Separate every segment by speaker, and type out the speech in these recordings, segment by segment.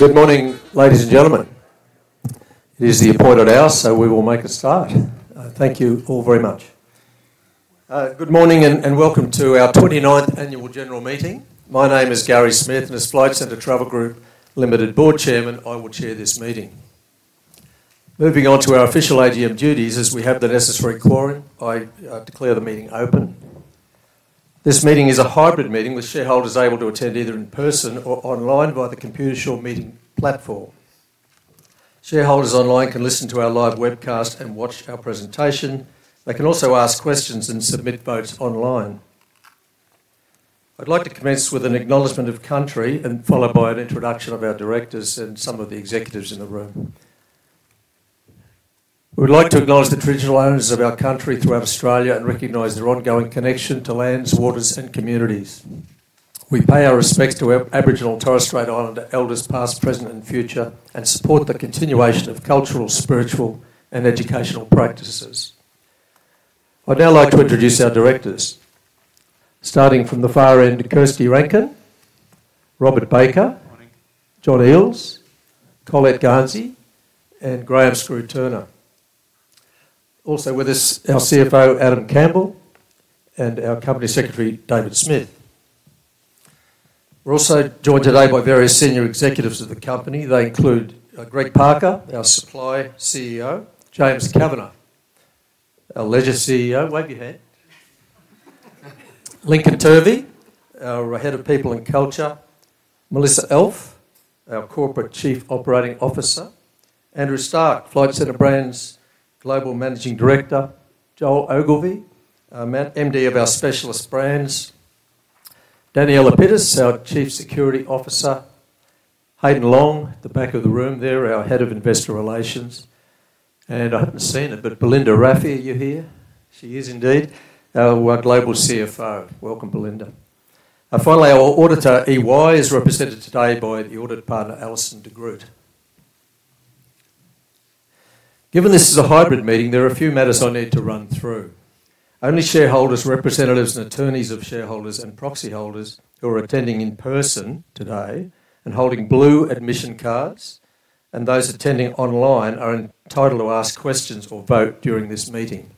Speaker 1: Good morning, ladies and gentlemen. It is the appointed hour, so we will make a start. Thank you all very much. Good morning and welcome to our 29th Annual General Meeting. My name is Gary Smith, and as Flight Centre Travel Group Limited Board Chairman, I will chair this meeting. Moving on to our official AGM duties, as we have the necessary quorum, I declare the meeting open. This meeting is a hybrid meeting, with shareholders able to attend either in person or online via the Computershare meeting platform. Shareholders online can listen to our live webcast and watch our presentation. They can also ask questions and submit votes online. I'd like to commence with an acknowledgement of country, followed by an introduction of our directors and some of the executives in the room. We would like to acknowledge the traditional owners of our country throughout Australia and recognize their ongoing connection to lands, waters, and communities. We pay our respects to Aboriginal and Torres Strait Islander elders past, present, and future, and support the continuation of cultural, spiritual, and educational practices. I'd now like to introduce our directors, starting from the far end: Kirsty Rankin, Robert Baker, John Eales, Colette Garnsey, and Graham 'Skroo' Turner. Also with us, our CFO, Adam Campbell, and our Company Secretary, David Smith. We're also joined today by various senior executives of the company. They include Greg Parker, our Supply CEO; James Kavanagh, our Leisure CEO, wave your hand; Lincoln Turvey, our Head of People and Culture; Melissa Elf, our Corporate Chief Operating Officer; Andrew Stark, Flight Centre brand's Global Managing Director; Joel Ogilvie, MD of our Specialist Brands; Daniella Pittis, our Chief Security Officer; Haydn Long, the back of the room there, our Head of Investor Relations; and I haven't seen her, but Belinda Rafiee, are you here? She is indeed our Global CFO. Welcome, Belinda. Finally, our auditor EY is represented today by the Audit Partner, Alison de Groot. Given this is a hybrid meeting, there are a few matters I need to run through. Only shareholders, representatives, and attorneys of shareholders and proxy holders who are attending in person today and holding blue admission cards, and those attending online are entitled to ask questions or vote during this meeting.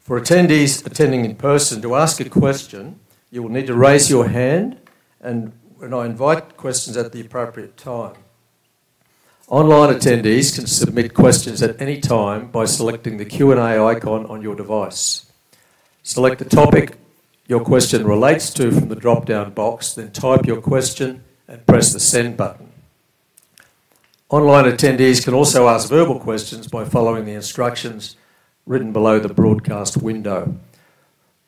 Speaker 1: For attendees attending in person, to ask a question, you will need to raise your hand, and I invite questions at the appropriate time. Online attendees can submit questions at any time by selecting the Q&A icon on your device. Select the topic your question relates to from the drop-down box, then type your question and press the send button. Online attendees can also ask verbal questions by following the instructions written below the broadcast window.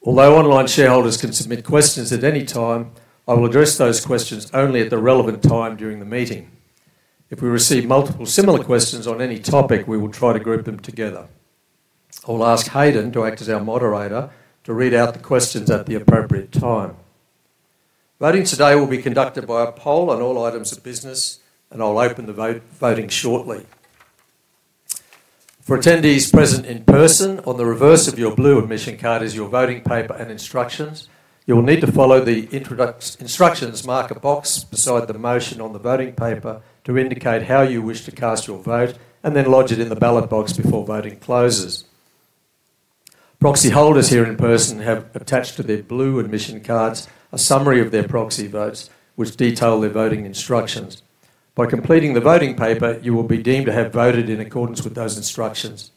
Speaker 1: Although online shareholders can submit questions at any time, I will address those questions only at the relevant time during the meeting. If we receive multiple similar questions on any topic, we will try to group them together. I will ask Haydn, who acts as our moderator, to read out the questions at the appropriate time. Voting today will be conducted by a poll on all items of business, and I'll open the voting shortly. For attendees present in person, on the reverse of your blue admission card is your voting paper and instructions. You will need to follow the instructions, mark a box beside the motion on the voting paper to indicate how you wish to cast your vote, and then lodge it in the ballot box before voting closes. Proxy holders here in person have attached to their blue admission cards a summary of their proxy votes, which detail their voting instructions. By completing the voting paper, you will be deemed to have voted in accordance with those instructions.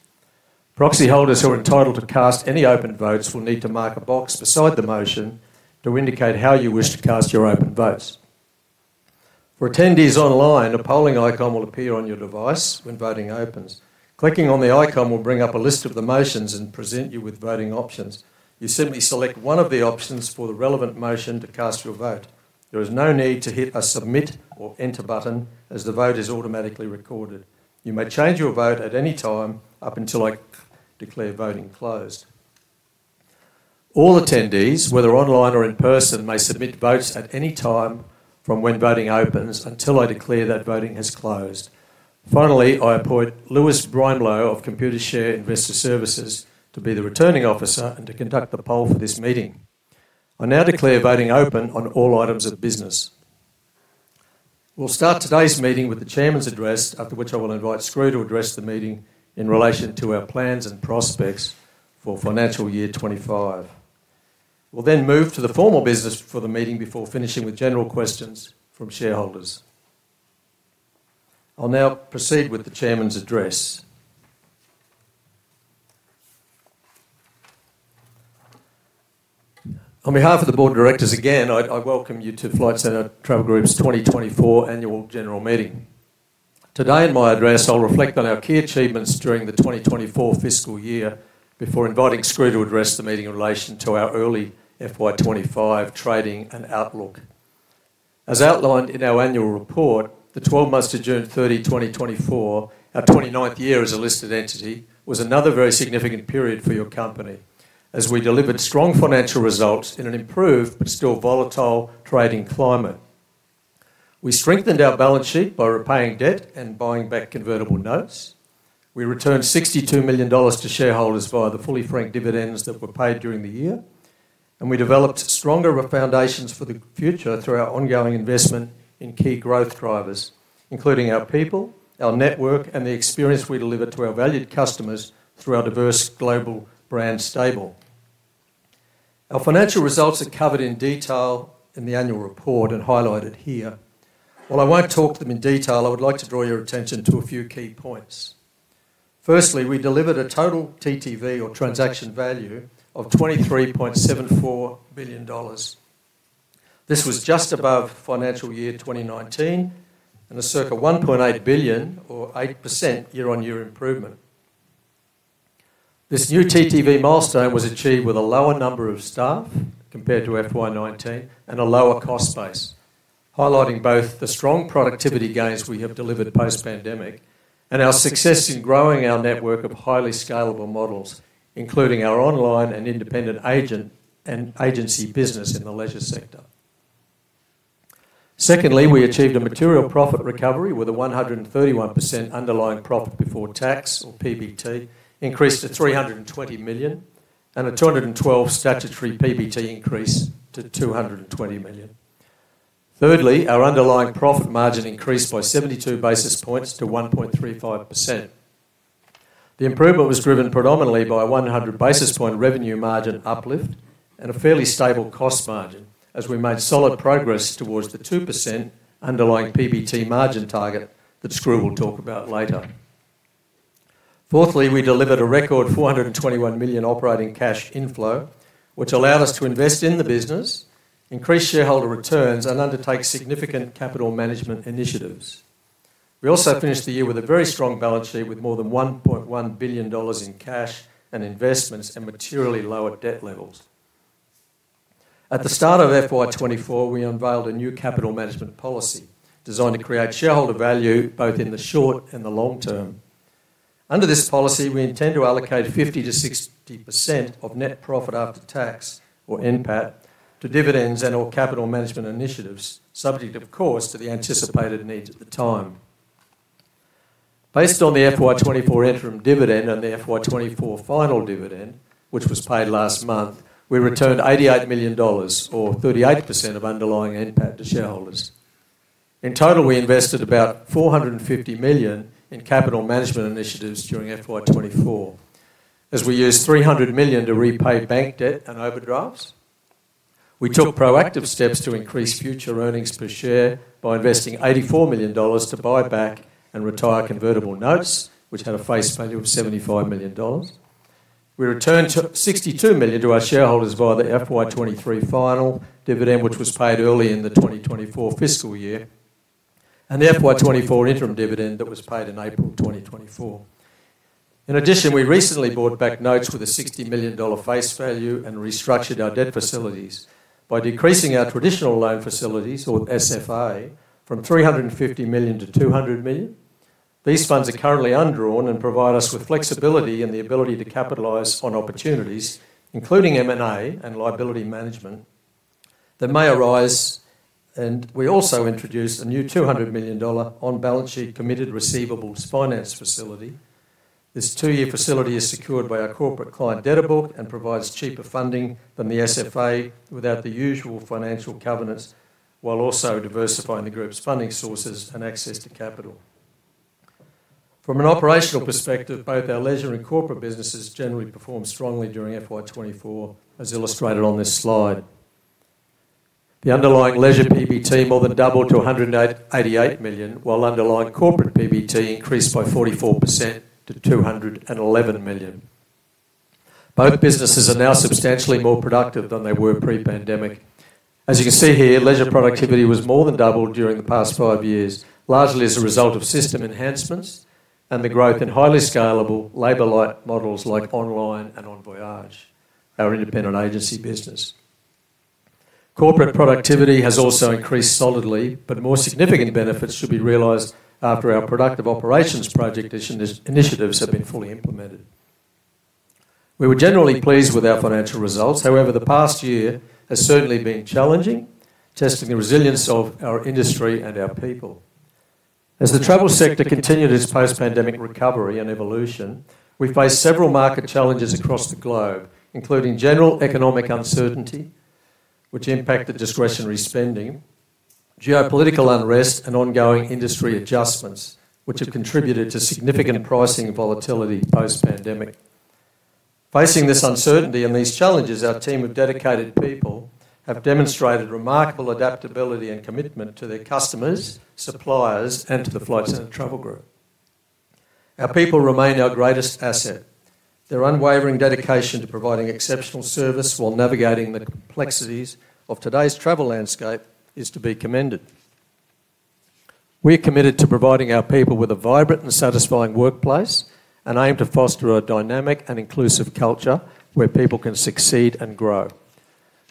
Speaker 1: Proxy holders who are entitled to cast any open votes will need to mark a box beside the motion to indicate how you wish to cast your open votes. For attendees online, a polling icon will appear on your device when voting opens. Clicking on the icon will bring up a list of the motions and present you with voting options. You simply select one of the options for the relevant motion to cast your vote. There is no need to hit a submit or enter button, as the vote is automatically recorded. You may change your vote at any time up until I declare voting closed. All attendees, whether online or in person, may submit votes at any time from when voting opens until I declare that voting has closed. Finally, I appoint Lewis Lowe of Computershare Investor Services to be the Returning Officer and to conduct the poll for this meeting. I now declare voting open on all items of business. We'll start today's meeting with the Chairman's address, after which I will invite Skroo to address the meeting in relation to our plans and prospects for financial year 25. We'll then move to the formal business for the meeting before finishing with general questions from shareholders. I'll now proceed with the Chairman's address. On behalf of the Board of Directors, again, I welcome you to Flight Centre Travel Group's 2024 Annual General Meeting. Today, in my address, I'll reflect on our key achievements during the 2024 fiscal year before inviting Skroo to address the meeting in relation to our early FY25 trading and outlook. As outlined in our annual report, the 12 months to June 30, 2024, our 29th year as a listed entity was another very significant period for your company, as we delivered strong financial results in an improved but still volatile trading climate. We strengthened our balance sheet by repaying debt and buying back convertible notes. We returned 62 million dollars to shareholders via the fully franked dividends that were paid during the year, and we developed stronger foundations for the future through our ongoing investment in key growth drivers, including our people, our network, and the experience we deliver to our valued customers through our diverse global brand stable. Our financial results are covered in detail in the annual report and highlighted here. While I won't talk to them in detail, I would like to draw your attention to a few key points. Firstly, we delivered a total TTV, or transaction value, of 23.74 billion dollars. This was just above financial year 2019 and a circa 1.8 billion, or 8% year-on-year improvement. This new TTV milestone was achieved with a lower number of staff compared to FY19 and a lower cost base, highlighting both the strong productivity gains we have delivered post-pandemic and our success in growing our network of highly scalable models, including our online and independent agency business in the leisure sector. Secondly, we achieved a material profit recovery with a 131% underlying profit before tax, or PBT, increased to 320 million and a 212 statutory PBT increase to 220 million. Thirdly, our underlying profit margin increased by 72 basis points to 1.35%. The improvement was driven predominantly by a 100 basis point revenue margin uplift and a fairly stable cost margin, as we made solid progress towards the 2% underlying PBT margin target that Skroo will talk about later. Fourthly, we delivered a record 421 million operating cash inflow, which allowed us to invest in the business, increase shareholder returns, and undertake significant capital management initiatives. We also finished the year with a very strong balance sheet with more than 1.1 billion dollars in cash and investments and materially lower debt levels. At the start of FY24, we unveiled a new capital management policy designed to create shareholder value both in the short and the long term. Under this policy, we intend to allocate 50%-60% of net profit after tax, or NPAT, to dividends and/or capital management initiatives, subject, of course, to the anticipated needs at the time. Based on the FY24 interim dividend and the FY24 final dividend, which was paid last month, we returned 88 million dollars, or 38% of underlying NPAT, to shareholders. In total, we invested about 450 million in capital management initiatives during FY24, as we used 300 million to repay bank debt and overdrafts. We took proactive steps to increase future earnings per share by investing 84 million dollars to buy back and retire convertible notes, which had a face value of 75 million dollars. We returned 62 million to our shareholders via the FY23 final dividend, which was paid early in the 2024 fiscal year, and the FY24 interim dividend that was paid in April 2024. In addition, we recently bought back notes with a 60 million dollar face value and restructured our debt facilities by decreasing our traditional loan facilities, or SFA, from 350 million to 200 million. These funds are currently undrawn and provide us with flexibility and the ability to capitalize on opportunities, including M&A and liability management, that may arise. And we also introduced a new 200 million dollar on-balance sheet committed receivables finance facility. This two-year facility is secured by our corporate client debtor book and provides cheaper funding than the SFA without the usual financial covenants, while also diversifying the group's funding sources and access to capital. From an operational perspective, both our leisure and corporate businesses generally perform strongly during FY24, as illustrated on this slide. The underlying leisure PBT more than doubled to 188 million, while underlying corporate PBT increased by 44% to 211 million. Both businesses are now substantially more productive than they were pre-pandemic. As you can see here, leisure productivity was more than doubled during the past five years, largely as a result of system enhancements and the growth in highly scalable labour-like models like online and Envoyage, our independent agency business. Corporate productivity has also increased solidly, but more significant benefits should be realized after our productive operations project initiatives have been fully implemented. We were generally pleased with our financial results. However, the past year has certainly been challenging, testing the resilience of our industry and our people. As the travel sector continued its post-pandemic recovery and evolution, we faced several market challenges across the globe, including general economic uncertainty, which impacted discretionary spending, geopolitical unrest, and ongoing industry adjustments, which have contributed to significant pricing volatility post-pandemic. Facing this uncertainty and these challenges, our team of dedicated people have demonstrated remarkable adaptability and commitment to their customers, suppliers, and to the Flight Centre Travel Group. Our people remain our greatest asset. Their unwavering dedication to providing exceptional service while navigating the complexities of today's travel landscape is to be commended. We are committed to providing our people with a vibrant and satisfying workplace and aim to foster a dynamic and inclusive culture where people can succeed and grow.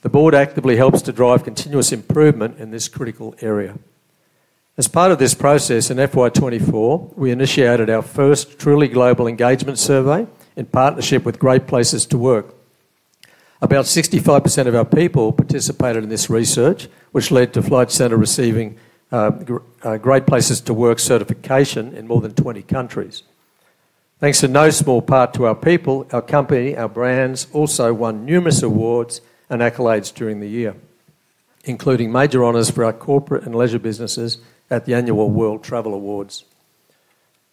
Speaker 1: The Board actively helps to drive continuous improvement in this critical area. As part of this process in FY24, we initiated our first truly global engagement survey in partnership with Great Place to Work. About 65% of our people participated in this research, which led to Flight Centre receiving Great Place to Work certification in more than 20 countries. Thanks in no small part to our people, our company, our brands also won numerous awards and accolades during the year, including major honours for our corporate and leisure businesses at the annual World Travel Awards.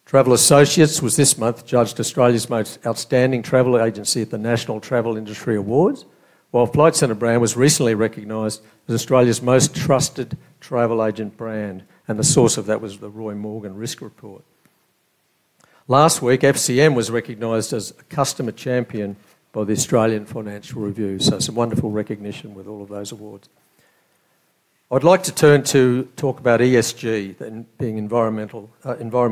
Speaker 1: Travel Associates was this month judged Australia's most outstanding travel agency at the National Travel Industry Awards, while Flight Centre brand was recently recognized as Australia's most trusted travel agent brand, and the source of that was the Roy Morgan Risk Report. Last week, FCM was recognized as a customer champion by the Australian Financial Review. So, some wonderful recognition with all of those awards. I'd like to turn to talk about ESG, being environmental,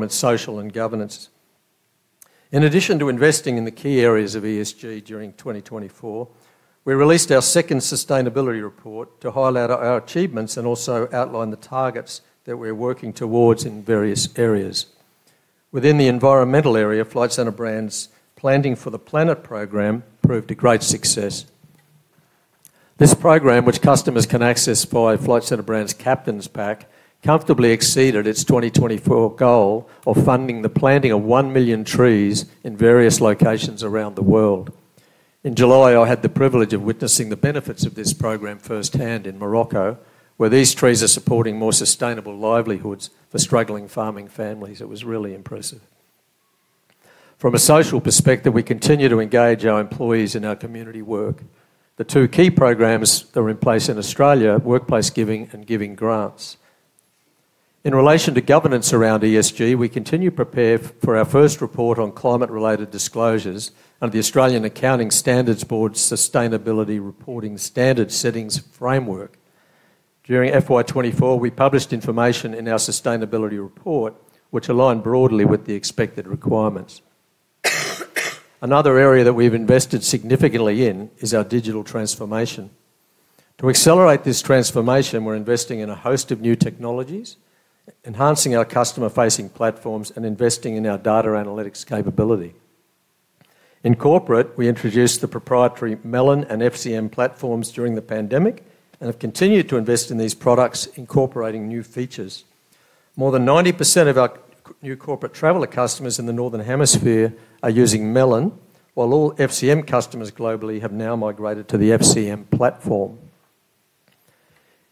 Speaker 1: social, and governance. In addition to investing in the key areas of ESG during 2024, we released our second sustainability report to highlight our achievements and also outline the targets that we're working towards in various areas. Within the environmental area, Flight Centre brand's Planting for the Planet program proved a great success. This program, which customers can access by Flight Centre brand's Captain's Pack, comfortably exceeded its 2024 goal of funding the planting of one million trees in various locations around the world. In July, I had the privilege of witnessing the benefits of this program firsthand in Morocco, where these trees are supporting more sustainable livelihoods for struggling farming families. It was really impressive. From a social perspective, we continue to engage our employees in our community work. The two key programs that are in place in Australia are Workplace Giving and Giving Grants. In relation to governance around ESG, we continue to prepare for our first report on climate-related disclosures under the Australian Accounting Standards Board's Sustainability Reporting Standards Settings Framework. During FY24, we published information in our sustainability report, which aligned broadly with the expected requirements. Another area that we've invested significantly in is our digital transformation. To accelerate this transformation, we're investing in a host of new technologies, enhancing our customer-facing platforms, and investing in our data analytics capability. In corporate, we introduced the proprietary Melon and FCM platforms during the pandemic and have continued to invest in these products, incorporating new features. More than 90% of our new corporate traveler customers in the Northern Hemisphere are using Melon, while all FCM customers globally have now migrated to the FCM platform.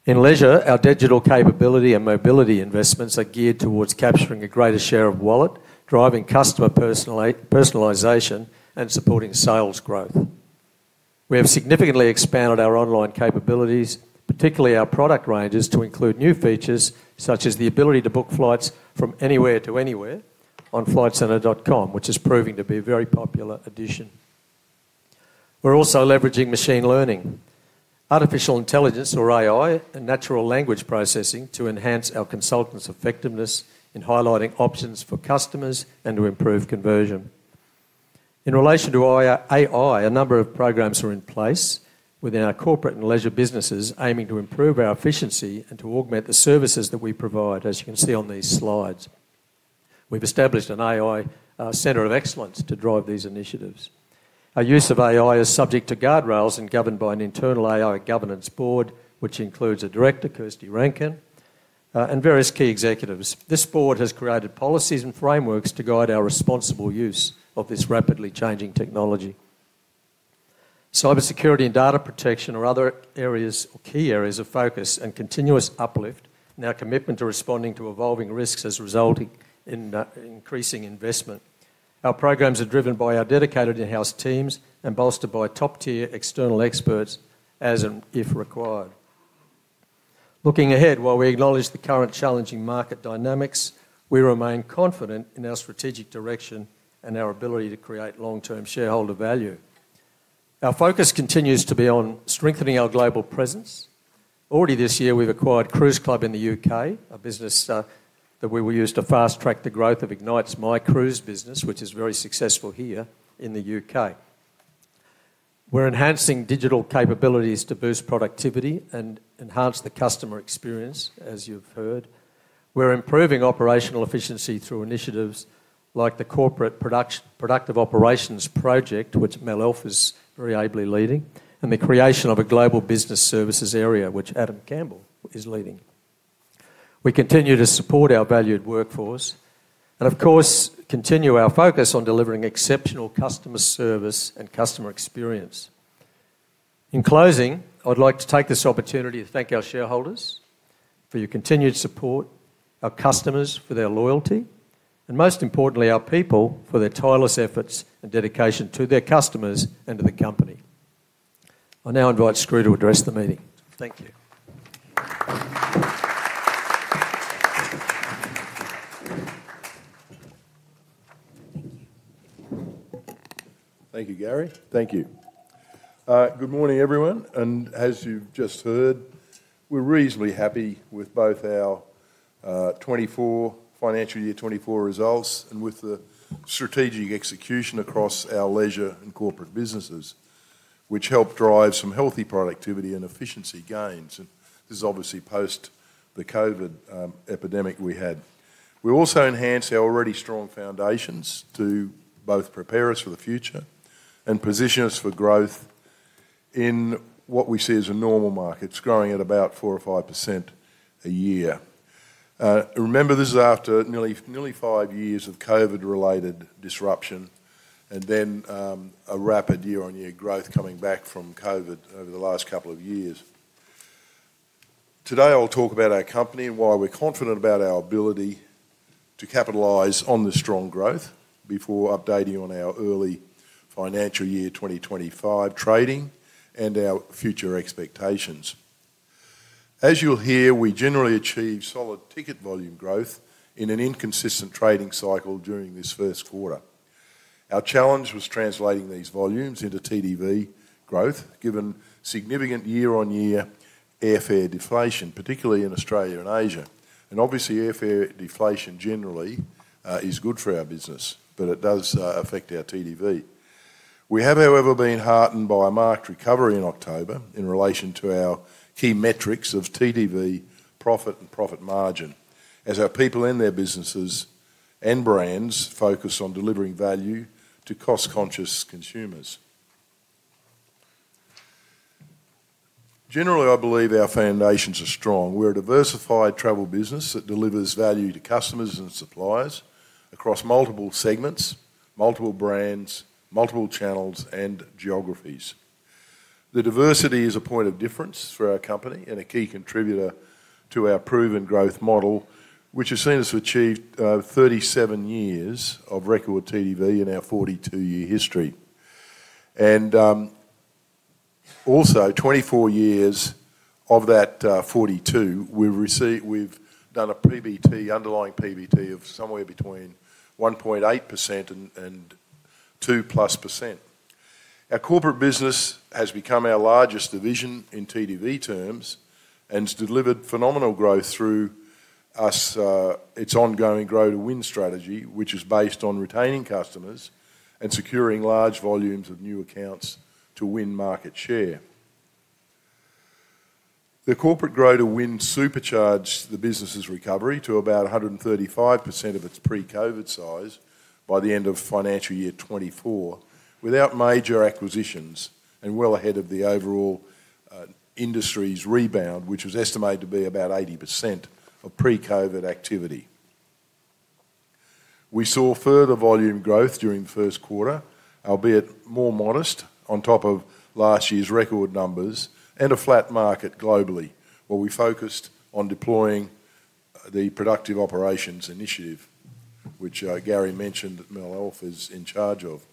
Speaker 1: In leisure, our digital capability and mobility investments are geared towards capturing a greater share of wallet, driving customer personalization, and supporting sales growth. We have significantly expanded our online capabilities, particularly our product ranges, to include new features such as the ability to book flights from anywhere to anywhere on flightcentre.com, which is proving to be a very popular addition. We're also leveraging machine learning, artificial intelligence, or AI, and natural language processing to enhance our consultants' effectiveness in highlighting options for customers and to improve conversion. In relation to AI, a number of programs are in place within our corporate and leisure businesses, aiming to improve our efficiency and to augment the services that we provide, as you can see on these slides. We've established an AI Centre of Excellence to drive these initiatives. Our use of AI is subject to guardrails and governed by an internal AI Governance Board, which includes a director, Kirsty Rankin, and various key executives. This board has created policies and frameworks to guide our responsible use of this rapidly changing technology. Cybersecurity and data protection are other areas, or key areas, of focus and continuous uplift in our commitment to responding to evolving risks as a result of increasing investment. Our programs are driven by our dedicated in-house teams and bolstered by top-tier external experts as and if required. Looking ahead, while we acknowledge the current challenging market dynamics, we remain confident in our strategic direction and our ability to create long-term shareholder value. Our focus continues to be on strengthening our global presence. Already this year, we've acquired Cruise Club in the UK, a business that we will use to fast-track the growth of Ignite's My Cruises business, which is very successful here in the UK. We're enhancing digital capabilities to boost productivity and enhance the customer experience, as you've heard. We're improving operational efficiency through initiatives like the Productive Operations Project, which Melissa Elf is very ably leading, and the creation of a Global Business Services area, which Adam Campbell is leading. We continue to support our valued workforce and, of course, continue our focus on delivering exceptional customer service and customer experience. In closing, I'd like to take this opportunity to thank our shareholders for your continued support, our customers for their loyalty, and most importantly, our people for their tireless efforts and dedication to their customers and to the company. I now invite Skroo to address the meeting. Thank you.
Speaker 2: Thank you, Gary. Thank you. Good morning, everyone. And as you've just heard, we're reasonably happy with both our financial year 2024 results and with the strategic execution across our leisure and corporate businesses, which helped drive some healthy productivity and efficiency gains. And this is obviously post the COVID pandemic we had. We also enhanced our already strong foundations to both prepare us for the future and position us for growth in what we see as a normal market, growing at about 4% or 5% a year. Remember, this is after nearly five years of COVID-related disruption and then a rapid year-on-year growth coming back from COVID over the last couple of years. Today, I'll talk about our company and why we're confident about our ability to capitalize on this strong growth before updating on our early financial year 2025 trading and our future expectations. As you'll hear, we generally achieved solid ticket volume growth in an inconsistent trading cycle during this Q1. Our challenge was translating these volumes into TTV growth, given significant year-on-year airfare deflation, particularly in Australia and Asia, and obviously, airfare deflation generally is good for our business, but it does affect our TTV. We have, however, been heartened by a marked recovery in October in relation to our key metrics of TTV profit and profit margin, as our people in their businesses and brands focus on delivering value to cost-conscious consumers. Generally, I believe our foundations are strong. We're a diversified travel business that delivers value to customers and suppliers across multiple segments, multiple brands, multiple channels, and geographies. The diversity is a point of difference for our company and a key contributor to our proven growth model, which has seen us achieve 37 years of record TTV in our 42-year history, and also, 24 years of that 42, we've done a underlying PBT of somewhere between 1.8% and 2% plus %. Our corporate business has become our largest division in TTV terms and has delivered phenomenal growth through its ongoing Grow-to-Win strategy, which is based on retaining customers and securing large volumes of new accounts to win market share. The corporate Grow-to-Win supercharged the business's recovery to about 135% of its pre-COVID size by the end of financial year 2024, without major acquisitions and well ahead of the overall industry's rebound, which was estimated to be about 80% of pre-COVID activity. We saw further volume growth during the Q1, albeit more modest on top of last year's record numbers and a flat market globally, where we focused on deploying the Productive Operations Initiative, which Gary mentioned that Melissa Elf is in charge of.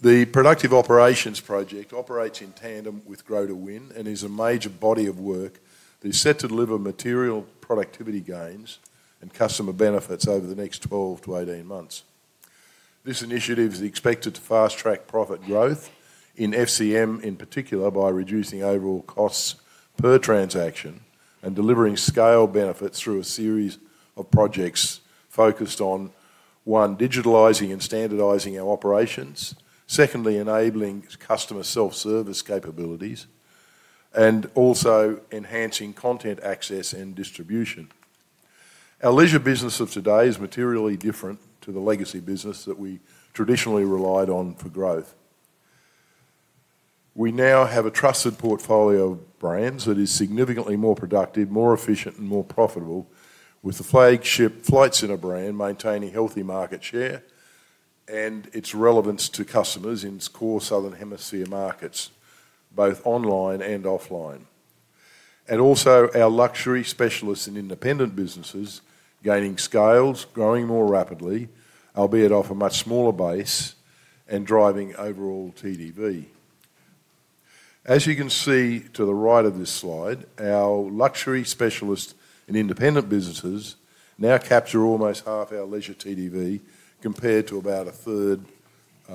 Speaker 2: The Productive Operations Project operates in tandem with Grow-to-Win and is a major body of work that is set to deliver material productivity gains and customer benefits over the next 12-18 months. This initiative is expected to fast-track profit growth in FCM, in particular, by reducing overall costs per transaction and delivering scale benefits through a series of projects focused on, one, digitalizing and standardizing our operations, secondly, enabling customer self-service capabilities, and also, enhancing content access and distribution. Our leisure business of today is materially different to the legacy business that we traditionally relied on for growth. We now have a trusted portfolio of brands that is significantly more productive, more efficient, and more profitable, with the flagship Flight Centre brand maintaining healthy market share and its relevance to customers in its core Southern Hemisphere markets, both online and offline. And also, our luxury specialists and independent businesses gaining scale, growing more rapidly, albeit off a much smaller base, and driving overall TDV. As you can see to the right of this slide, our luxury specialists and independent businesses now capture almost half our leisure TDV compared to about a third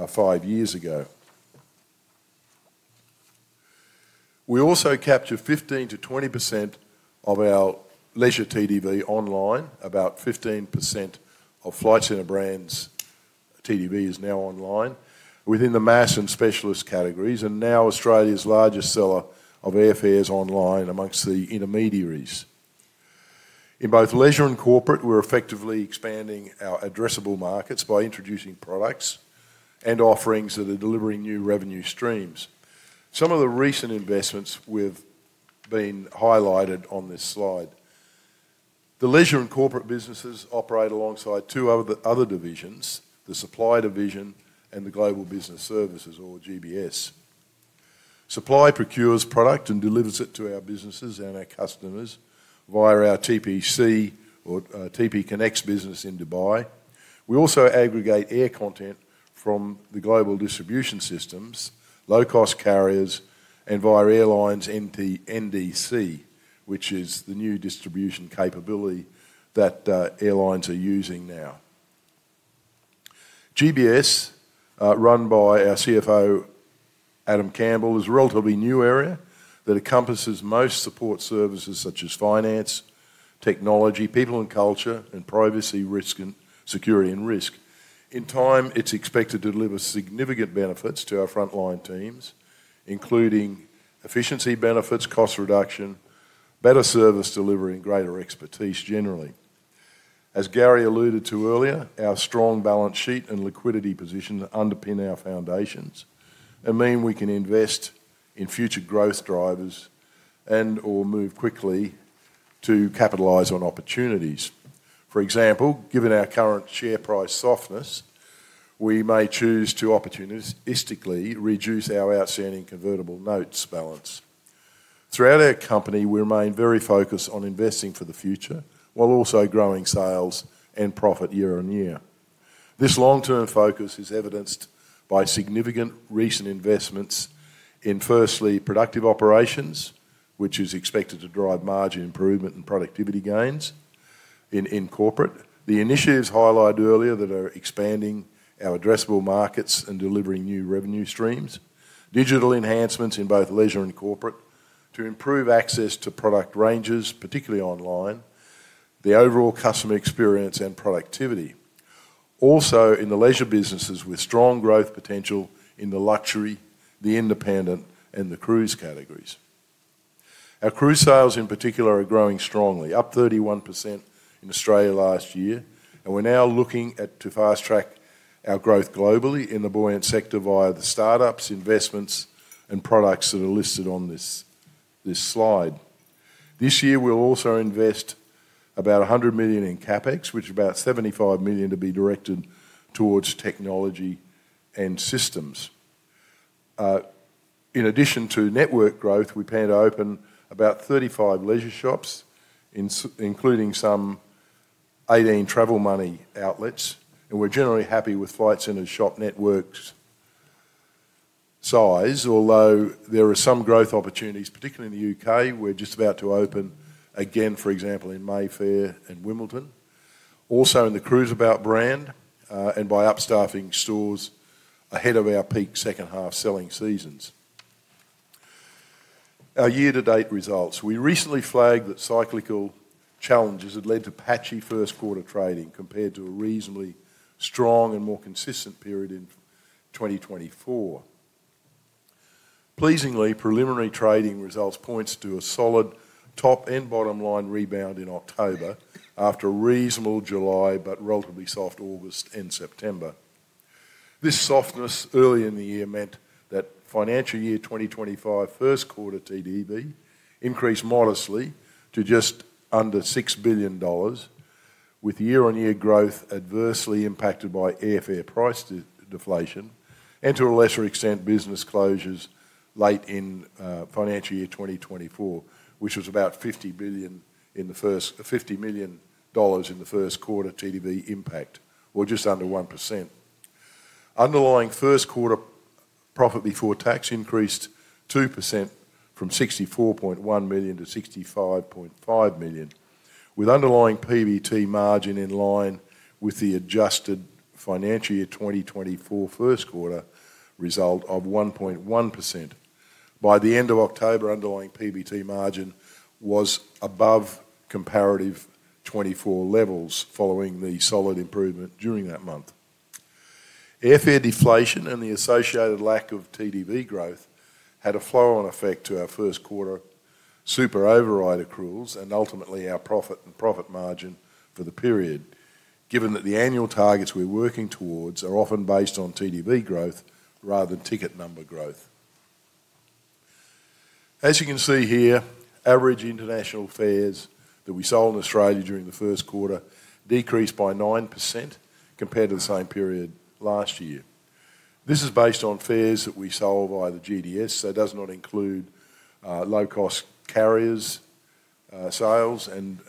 Speaker 2: five years ago. We also capture 15%-20% of our leisure TDV online, about 15% of Flight Centre brands' TDV is now online within the mass and specialist categories, and now Australia's largest seller of airfares online among the intermediaries. In both leisure and corporate, we're effectively expanding our addressable markets by introducing products and offerings that are delivering new revenue streams. Some of the recent investments we've highlighted on this slide. The leisure and corporate businesses operate alongside two other divisions, the Supply Division and the Global Business Services, or GBS. Supply procures product and delivers it to our businesses and our customers via our TPConnects or TPConnects business in Dubai. We also aggregate air content from the global distribution systems, low-cost carriers, and via airlines NDC, which is the new distribution capability that airlines are using now. GBS, run by our CFO, Adam Campbell, is a relatively new area that encompasses most support services such as finance, technology, people and culture, and privacy, risk, and security and risk. In time, it's expected to deliver significant benefits to our frontline teams, including efficiency benefits, cost reduction, better service delivery, and greater expertise generally. As Gary alluded to earlier, our strong balance sheet and liquidity position underpin our foundations and mean we can invest in future growth drivers and/or move quickly to capitalize on opportunities. For example, given our current share price softness, we may choose to opportunistically reduce our outstanding convertible notes balance. Throughout our company, we remain very focused on investing for the future while also growing sales and profit year on year. This long-term focus is evidenced by significant recent investments in, firstly, productive operations, which is expected to drive margin improvement and productivity gains in corporate. The initiatives highlighted earlier that are expanding our addressable markets and delivering new revenue streams, digital enhancements in both leisure and corporate to improve access to product ranges, particularly online, the overall customer experience and productivity. Also, in the leisure businesses, we have strong growth potential in the luxury, the independent, and the cruise categories. Our cruise sales, in particular, are growing strongly, up 31% in Australia last year, and we're now looking to fast-track our growth globally in the buoyant sector via the startups, investments, and products that are listed on this slide. This year, we'll also invest about 100 million in CapEx, which is about 75 million to be directed towards technology and systems. In addition to network growth, we plan to open about 35 leisure shops, including some 18 Travel Money outlets, and we're generally happy with Flight Centre shop network's size, although there are some growth opportunities, particularly in the U.K. We're just about to open again, for example, in Mayfair and Wimbledon, also in the Cruiseabout brand and by upstaffing stores ahead of our peak second half selling seasons. Our year-to-date results. We recently flagged that cyclical challenges had led to patchy Q1 trading compared to a reasonably strong and more consistent period in 2024. Pleasingly, preliminary trading results point to a solid top and bottom line rebound in October after a reasonable July but relatively soft August and September. This softness early in the year meant that financial year 2025 Q1 TTV increased modestly to just under 6 billion dollars, with year-on-year growth adversely impacted by airfare price deflation and, to a lesser extent, business closures late in financial year 2024, which was about 50 million dollars in the Q1 TTV impact, or just under 1%. Underlying Q1 profit before tax increased 2% from 64.1 million to 65.5 million, with underlying PBT margin in line with the adjusted financial year 2024 Q1 result of 1.1%. By the end of October, underlying PBT margin was above comparative 2024 levels following the solid improvement during that month. Airfare deflation and the associated lack of TTV growth had a flow-on effect to our Q1 super override accruals and ultimately our profit and profit margin for the period, given that the annual targets we're working towards are often based on TTV growth rather than ticket number growth. As you can see here, average international fares that we sold in Australia during the Q1 decreased by 9% compared to the same period last year. This is based on fares that we sold via the GDS, so it does not include low-cost carriers sales and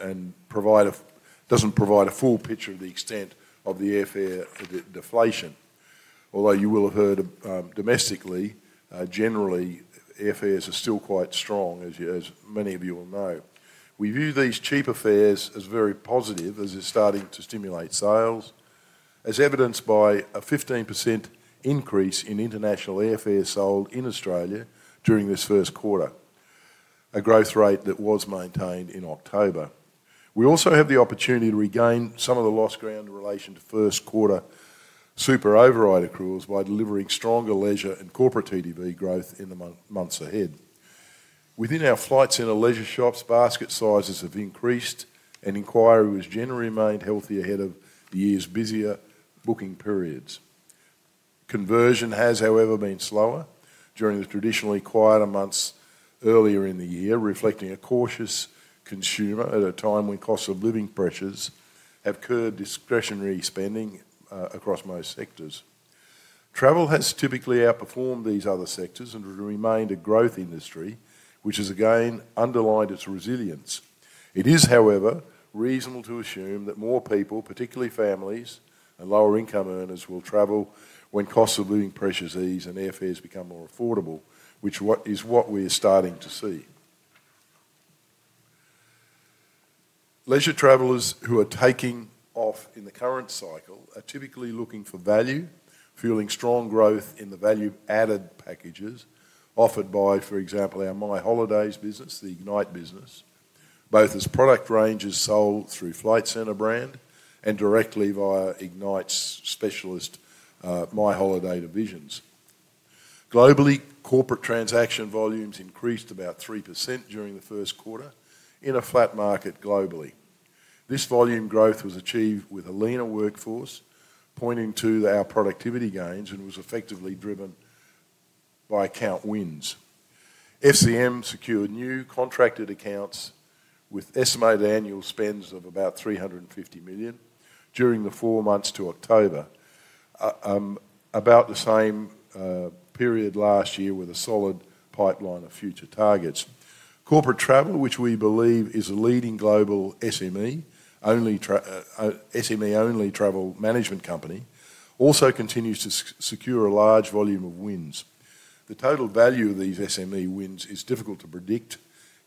Speaker 2: doesn't provide a full picture of the extent of the airfare deflation, although you will have heard domestically, generally, airfares are still quite strong, as many of you will know. We view these cheaper fares as very positive, as it's starting to stimulate sales, as evidenced by a 15% increase in international airfares sold in Australia during this Q1, a growth rate that was maintained in October. We also have the opportunity to regain some of the lost ground in relation to Q1 super override accruals by delivering stronger leisure and corporate TTV growth in the months ahead. Within our Flight Centre leisure shops, basket sizes have increased, and inquiries were generally healthy ahead of the year's busier booking periods. Conversion has, however, been slower during the traditionally quieter months earlier in the year, reflecting a cautious consumer at a time when cost of living pressures have curbed discretionary spending across most sectors. Travel has typically outperformed these other sectors and remained a growth industry, which has again underlined its resilience. It is, however, reasonable to assume that more people, particularly families and lower-income earners, will travel when cost of living pressures ease and airfares become more affordable, which is what we're starting to see. Leisure travellers who are taking off in the current cycle are typically looking for value, feeling strong growth in the value-added packages offered by, for example, our My Holiday business, the Ignite business, both as product ranges sold through Flight Centre brand and directly via Ignite's specialist My Holiday divisions. Globally, corporate transaction volumes increased about 3% during the Q1 in a flat market globally. This volume growth was achieved with a leaner workforce, pointing to our productivity gains, and it was effectively driven by account wins. FCM secured new contracted accounts with estimated annual spends of about 350 million during the four months to October, about the same period last year with a solid pipeline of future targets. Corporate Traveller, which we believe is a leading global SME-only travel management company, also continues to secure a large volume of wins. The total value of these SME wins is difficult to predict,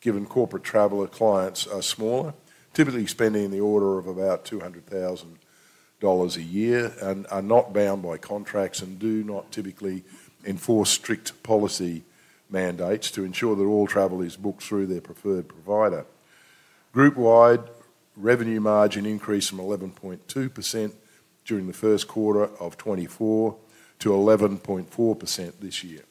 Speaker 2: given Corporate Traveller clients are smaller, typically spending in the order of about $200,000 a year, and are not bound by contracts and do not typically enforce strict policy mandates to ensure that all travel is booked through their preferred provider. Group-wide, revenue margin increased from 11.2% during the Q1 of 2024 to 11.4% this year.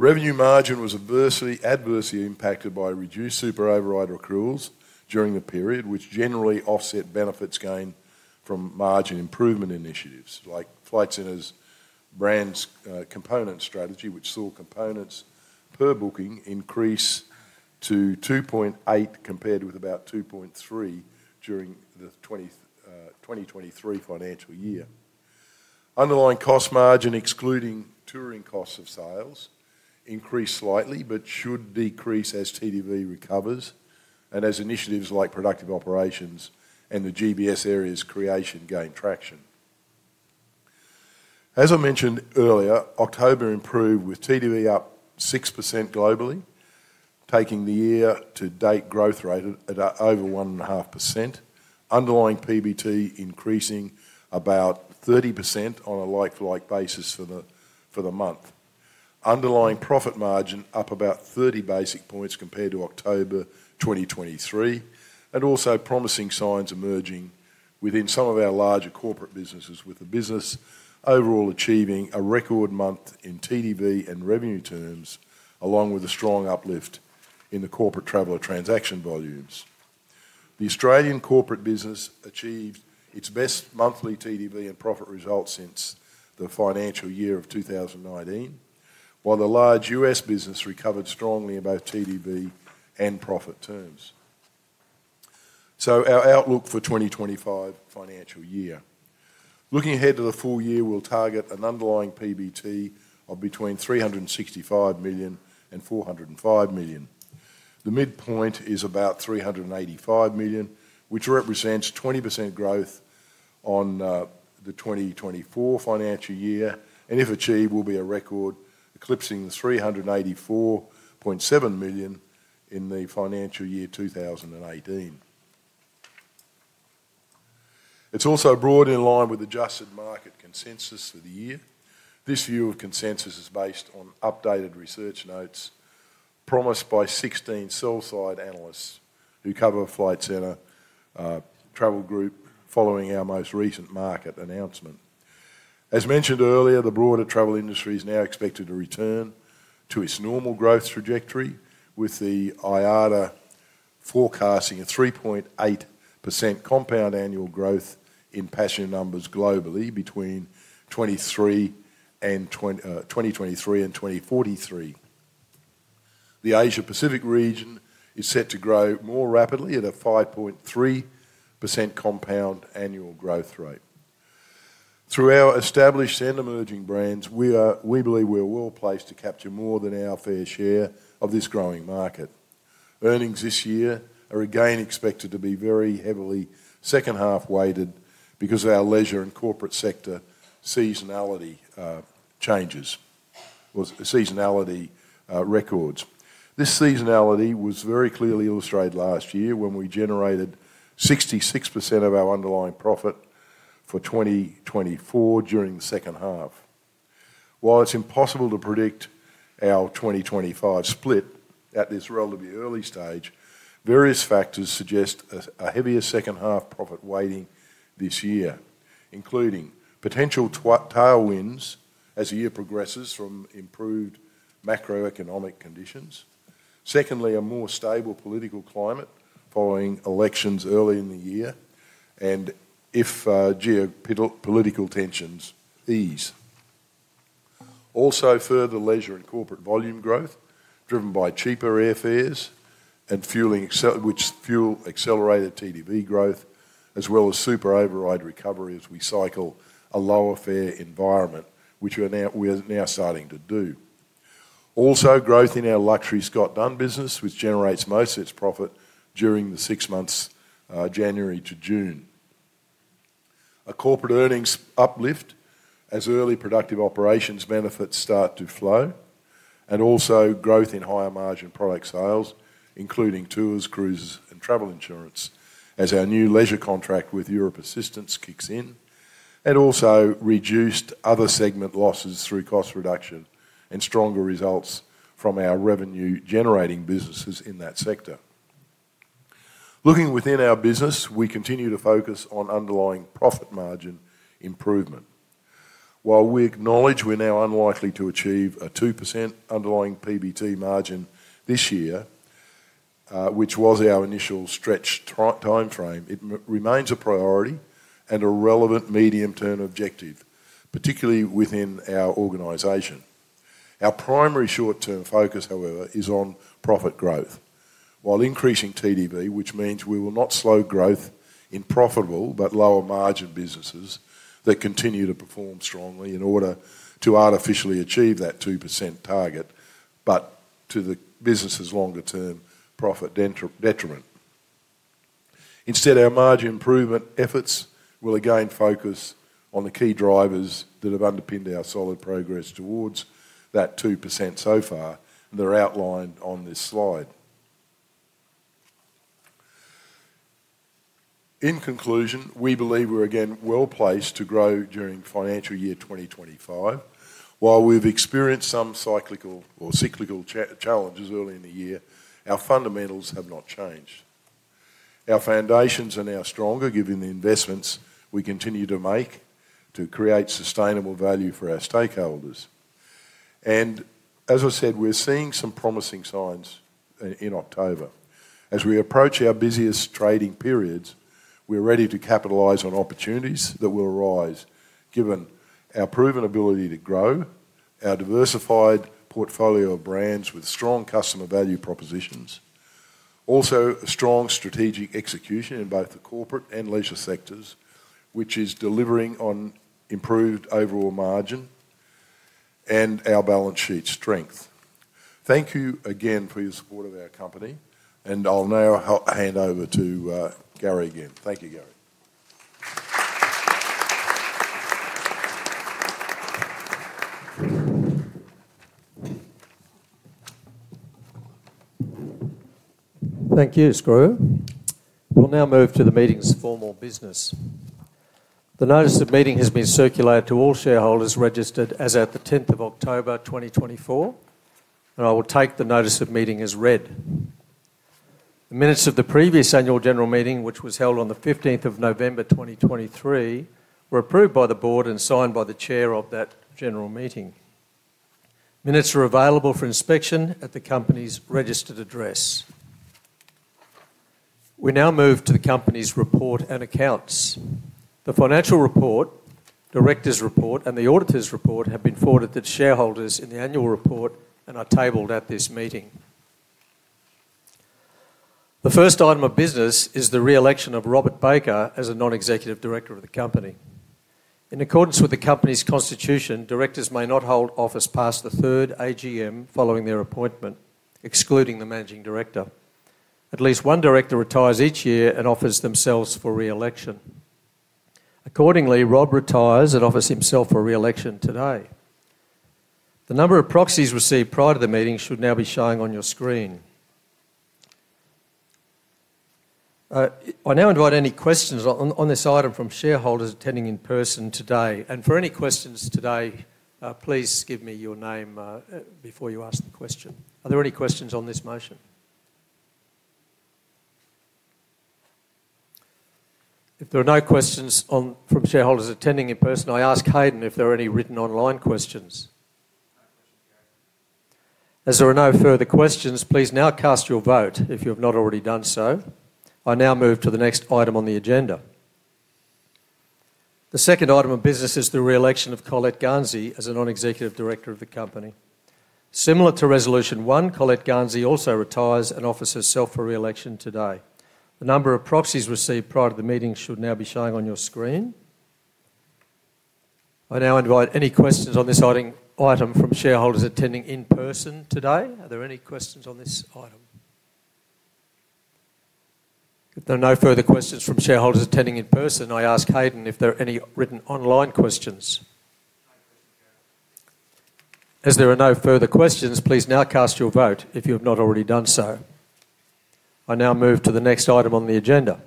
Speaker 2: Revenue margin was adversely impacted by reduced super override accruals during the period, which generally offset benefits gained from margin improvement initiatives like Flight Centre's Brand Component Strategy, which saw components per booking increase to 2.8 compared with about 2.3 during the 2023 financial year. Underlying cost margin, excluding touring costs of sales, increased slightly but should decrease as TTV recovers and as initiatives like Productive Operations Project and the GBS area's creation gain traction. As I mentioned earlier, October improved with TTV up 6% globally, taking the year-to-date growth rate at over 1.5%, underlying PBT increasing about 30% on a like-for-like basis for the month, underlying profit margin up about 30 basis points compared to October 2023, and also promising signs emerging within some of our larger corporate businesses, with the business overall achieving a record month in TTV and revenue terms, along with a strong uplift in the Corporate Traveller transaction volumes. The Australian corporate business achieved its best monthly TTV and profit result since the financial year of 2019, while the large U.S. business recovered strongly in both TTV and profit terms. So, our outlook for the 2025 financial year. Looking ahead to the full year, we'll target an underlying PBT of between 365 million and 405 million. The midpoint is about $385 million, which represents 20% growth on the 2024 financial year, and if achieved, will be a record eclipsing the $384.7 million in the financial year 2018. It's also brought in line with adjusted market consensus for the year. This view of consensus is based on updated research notes promised by 16 sell-side analysts who cover Flight Centre Travel Group following our most recent market announcement. As mentioned earlier, the broader travel industry is now expected to return to its normal growth trajectory, with the IATA forecasting a 3.8% compound annual growth in passenger numbers globally between 2023 and 2043. The Asia-Pacific region is set to grow more rapidly at a 5.3% compound annual growth rate. Through our established and emerging brands, we believe we are well placed to capture more than our fair share of this growing market. Earnings this year are again expected to be very heavily second half weighted because of our leisure and corporate sector seasonality changes, seasonality records. This seasonality was very clearly illustrated last year when we generated 66% of our underlying profit for 2024 during the second half. While it's impossible to predict our 2025 split at this relatively early stage, various factors suggest a heavier second half profit weighting this year, including potential tailwinds as the year progresses from improved macroeconomic conditions. Secondly, a more stable political climate following elections early in the year and if geopolitical tensions ease. Also, further leisure and corporate volume growth driven by cheaper airfares, which fuel accelerated TTV growth, as well as super override recovery as we cycle a lower fare environment, which we're now starting to do. Also, growth in our luxury Scott Dunn business, which generates most of its profit during the six months January to June. A corporate earnings uplift as early productive operations benefits start to flow, and also growth in higher margin product sales, including tours, cruises, and travel insurance as our new leisure contract with Europ Assistance kicks in, and also reduced other segment losses through cost reduction and stronger results from our revenue-generating businesses in that sector. Looking within our business, we continue to focus on underlying profit margin improvement. While we acknowledge we're now unlikely to achieve a 2% underlying PBT margin this year, which was our initial stretch timeframe, it remains a priority and a relevant medium-term objective, particularly within our organization. Our primary short-term focus, however, is on profit growth, while increasing TTV, which means we will not slow growth in profitable but lower margin businesses that continue to perform strongly in order to artificially achieve that 2% target, but to the business's longer-term profit detriment. Instead, our margin improvement efforts will again focus on the key drivers that have underpinned our solid progress towards that 2% so far, and they're outlined on this slide. In conclusion, we believe we're again well placed to grow during financial year 2025. While we've experienced some cyclical challenges early in the year, our fundamentals have not changed. Our foundations are now stronger, given the investments we continue to make to create sustainable value for our stakeholders, and as I said, we're seeing some promising signs in October. As we approach our busiest trading periods, we're ready to capitalize on opportunities that will arise, given our proven ability to grow, our diversified portfolio of brands with strong customer value propositions, also a strong strategic execution in both the corporate and leisure sectors, which is delivering on improved overall margin and our balance sheet strength. Thank you again for your support of our company, and I'll now hand over to Gary again. Thank you, Gary.
Speaker 1: Thank you, Skroo. We'll now move to the meeting's formal business. The notice of meeting has been circulated to all shareholders registered as of the 10th of October 2024, and I will take the notice of meeting as read. The minutes of the previous annual general meeting, which was held on the 15th of November 2023, were approved by the board and signed by the chair of that general meeting. Minutes are available for inspection at the company's registered address. We now move to the company's report and accounts. The financial report, director's report, and the auditor's report have been forwarded to the shareholders in the annual report and are tabled at this meeting. The first item of business is the re-election of Robert Baker as a non-executive director of the company. In accordance with the company's constitution, directors may not hold office past the third AGM following their appointment, excluding the managing director. At least one director retires each year and offers themselves for re-election. Accordingly, Rob retires and offers himself for re-election today. The number of proxies received prior to the meeting should now be showing on your screen. I now invite any questions on this item from shareholders attending in person today, and for any questions today, please give me your name before you ask the question. Are there any questions on this motion? If there are no questions from shareholders attending in person, I ask Haydn if there are any written online questions.
Speaker 3: No questions, Gary.
Speaker 1: As there are no further questions, please now cast your vote if you have not already done so. I now move to the next item on the agenda. The second item of business is the re-election of Colette Garnsey as a non-executive director of the company. Similar to resolution one, Colette Garnsey also retires and offers herself for re-election today. The number of proxies received prior to the meeting should now be showing on your screen. I now invite any questions on this item from shareholders attending in person today. Are there any questions on this item? If there are no further questions from shareholders attending in person, I ask Haydn if there are any written online questions.
Speaker 3: No questions, Gary.
Speaker 1: As there are no further questions, please now cast your vote if you have not already done so. I now move to the next item on the agenda.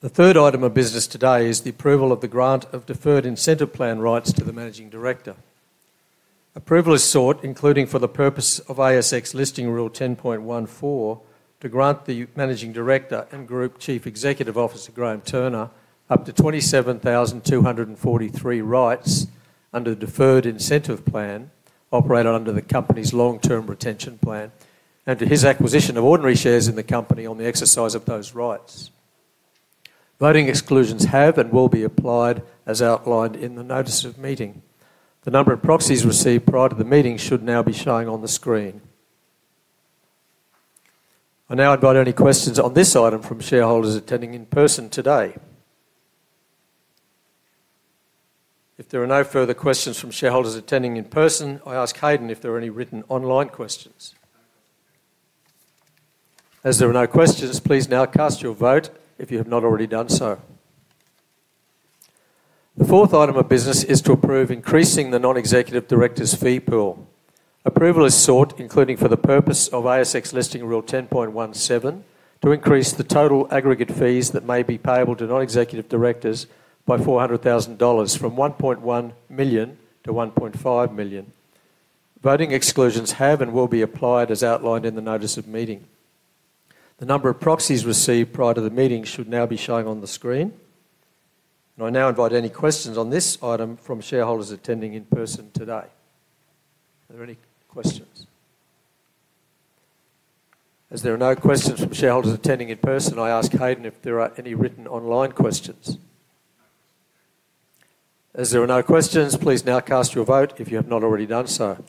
Speaker 1: The third item of business today is the approval of the grant of Deferred Incentive Plan rights to the Managing Director. Approval is sought, including for the purpose of ASX listing rule 10.14, to grant the Managing Director and Group Chief Executive Officer Graham Turner up to 27,243 rights under the Deferred Incentive Plan operated under the company's Long-Term Retention Plan and to his acquisition of ordinary shares in the company on the exercise of those rights. Voting exclusions have and will be applied as outlined in the notice of meeting. The number of proxies received prior to the meeting should now be showing on the screen. I now invite any questions on this item from shareholders attending in person today. If there are no further questions from shareholders attending in person, I ask Haydn if there are any written online questions.
Speaker 3: No questions, Gary.
Speaker 1: As there are no questions, please now cast your vote if you have not already done so. The fourth item of business is to approve increasing the non-executive directors' fee pool. Approval is sought, including for the purpose of ASX listing rule 10.17, to increase the total aggregate fees that may be payable to non-executive directors by 400,000 dollars from 1.1 million to 1.5 million. Voting exclusions have and will be applied as outlined in the notice of meeting. The number of proxies received prior to the meeting should now be showing on the screen. And I now invite any questions on this item from shareholders attending in person today. Are there any questions? As there are no questions from shareholders attending in person, I ask Haydn if there are any written online questions.
Speaker 3: No questions, Gary.
Speaker 1: As there are no questions, please now cast your vote if you have not already done so.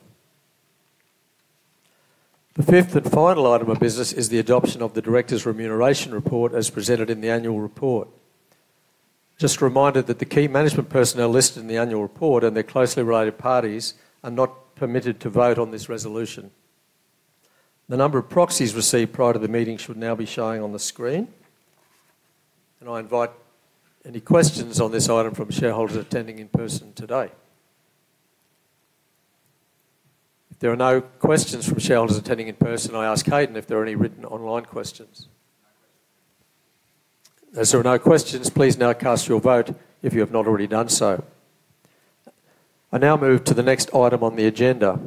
Speaker 1: The fifth and final item of business is the adoption of the director's remuneration report as presented in the annual report. Just a reminder that the key management personnel listed in the annual report and their closely related parties are not permitted to vote on this resolution. The number of proxies received prior to the meeting should now be showing on the screen. And I invite any questions on this item from shareholders attending in person today. If there are no questions from shareholders attending in person, I ask Haydn if there are any written online questions.
Speaker 3: No questions.
Speaker 1: As there are no questions, please now cast your vote if you have not already done so. I now move to the next item on the agenda.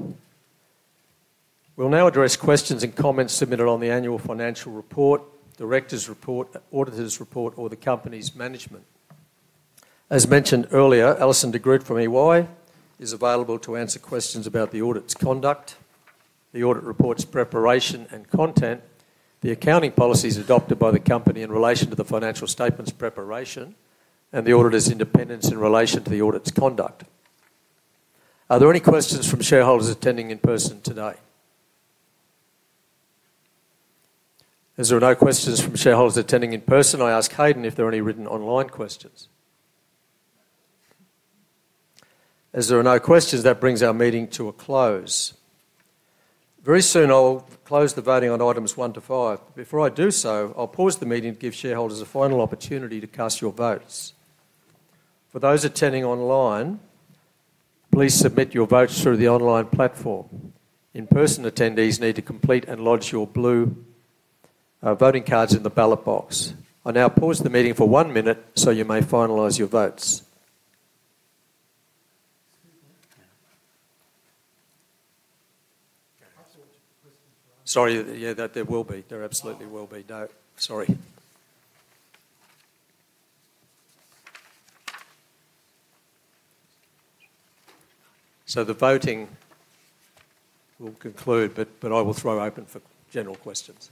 Speaker 1: We'll now address questions and comments submitted on the annual financial report, director's report, auditor's report, or the company's management. As mentioned earlier, Alison de Groot from EY is available to answer questions about the audit's conduct, the audit report's preparation and content, the accounting policies adopted by the company in relation to the financial statements preparation, and the auditor's independence in relation to the audit's conduct. Are there any questions from shareholders attending in person today? As there are no questions from shareholders attending in person, I ask Haydn if there are any written online questions.
Speaker 3: No questions.
Speaker 1: As there are no questions, that brings our meeting to a close. Very soon, I'll close the voting on items one to five. Before I do so, I'll pause the meeting to give shareholders a final opportunity to cast your votes. For those attending online, please submit your votes through the online platform. In-person attendees need to complete and lodge your blue voting cards in the ballot box. I now pause the meeting for one minute so you may finalize your votes. Sorry, yeah, there will be. So the voting will conclude, but I will throw open for general questions.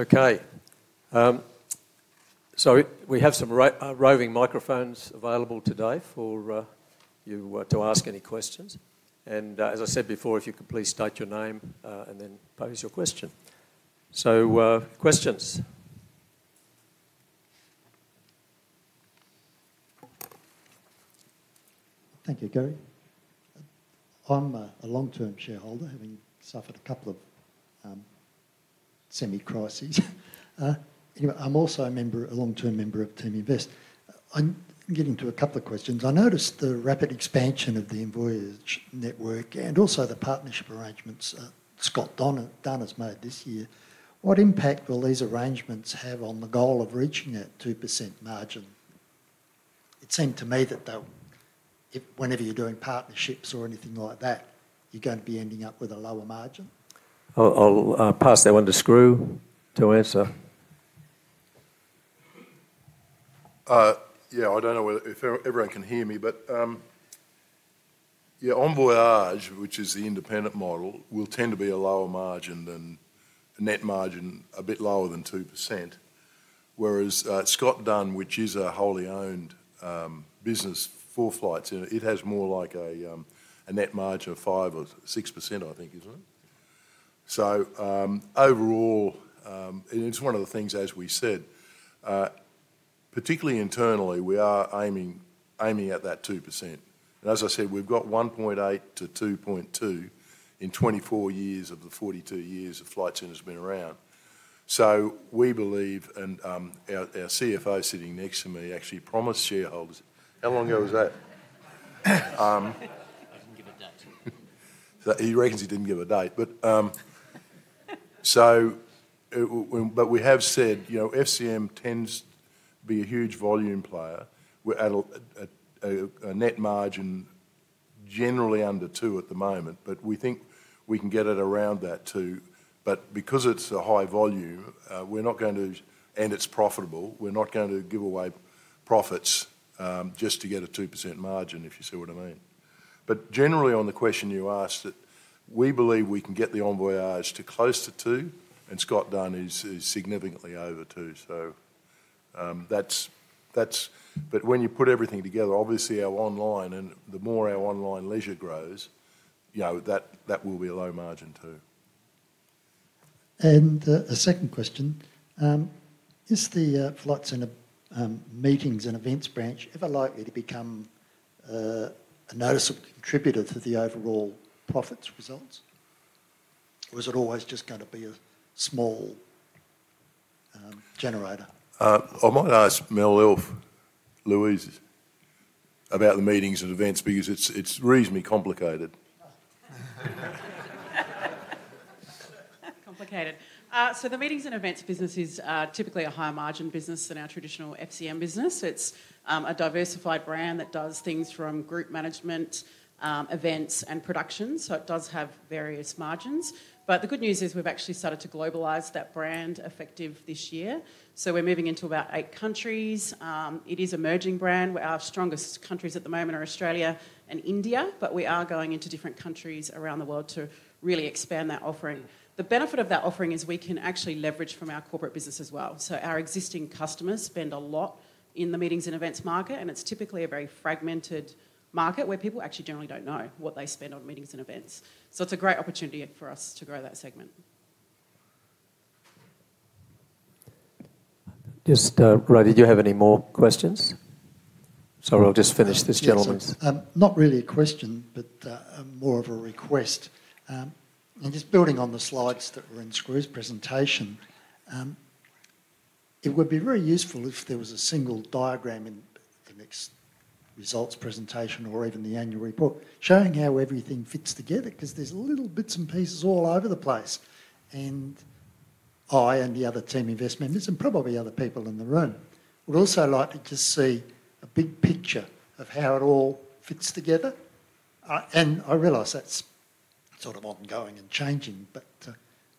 Speaker 1: Okay. So we have some roving microphones available today for you to ask any questions. And as I said before, if you could please state your name and then pose your question. So questions.
Speaker 4: Thank you, Gary. I'm a long-term shareholder, having suffered a couple of semi-crises. I'm also a member, a long-term member of TeamInvest. I'm getting to a couple of questions. I noticed the rapid expansion of the advisers' network and also the partnership arrangements Scott Dunn has made this year. What impact will these arrangements have on the goal of reaching that 2% margin? It seemed to me that whenever you're doing partnerships or anything like that, you're going to be ending up with a lower margin.
Speaker 1: I'll pass that one to Skroo to answer.
Speaker 2: Yeah, I don't know if everyone can hear me, but yeah, Envoyage, which is the independent model, will tend to be a lower margin than net margin, a bit lower than 2%. Whereas Scott Dunn, which is a wholly owned business for flights, it has more like a net margin of 5% or 6%, I think, isn't it? So overall, and it's one of the things, as we said, particularly internally, we are aiming at that 2%. And as I said, we've got 1.8%-2.2% in 24 years of the 42 years of Flight Centre's been around. So we believe, and our CFO sitting next to me actually promised shareholders.
Speaker 1: How long ago was that?
Speaker 5: He didn't give a date.
Speaker 1: He reckons he didn't give a date. But we have said FCM tends to be a huge volume player. We're at a net margin generally under 2% at the moment, but we think we can get it around that too. But because it's a high volume, we're not going to, and it's profitable, we're not going to give away profits just to get a 2% margin, if you see what I mean. But generally, on the question you asked, we believe we can get the Envoyage to close to 2%, and Scott Dunn is significantly over 2%. So that's, but when you put everything together, obviously our online, and the more our online leisure grows, that will be a low margin too.
Speaker 4: A second question. Is the Flight Centre Meetings and Events branch ever likely to become a noticeable contributor to the overall profits results? Or is it always just going to be a small generator?
Speaker 2: I might ask Melissa Elf about the meetings and events because it's reasonably complicated.
Speaker 6: Complicated. So the meetings and events business is typically a high margin business in our traditional FCM business. It's a diversified brand that does things from group management, events, and production. So it does have various margins. But the good news is we've actually started to globalize that brand effective this year. So we're moving into about eight countries. It is an emerging brand. Our strongest countries at the moment are Australia and India, but we are going into different countries around the world to really expand that offering. The benefit of that offering is we can actually leverage from our corporate business as well. So our existing customers spend a lot in the meetings and events market, and it's typically a very fragmented market where people actually generally don't know what they spend on meetings and events. So it's a great opportunity for us to grow that segment.
Speaker 1: Just, Ray, did you have any more questions? Sorry, I'll just finish this gentleman.
Speaker 4: Not really a question, but more of a request, and just building on the slides that were in Skroo's presentation, it would be very useful if there was a single diagram in the next results presentation or even the annual report showing how everything fits together because there's little bits and pieces all over the place, and I and the other TeamInvest members and probably other people in the room would also like to just see a big picture of how it all fits together, and I realize that's sort of ongoing and changing, but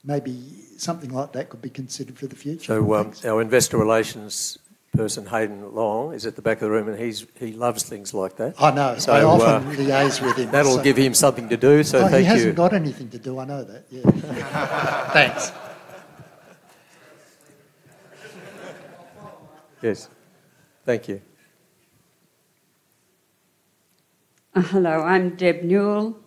Speaker 4: maybe something like that could be considered for the future.
Speaker 1: So our investor relations person, Haydn Long, is at the back of the room, and he loves things like that.
Speaker 4: I know. So I often liaise with him.
Speaker 1: That'll give him something to do, so thank you.
Speaker 4: He hasn't got anything to do, I know that, yeah.
Speaker 1: Thanks. Yes. Thank you.
Speaker 7: Hello, I'm Deb Newell.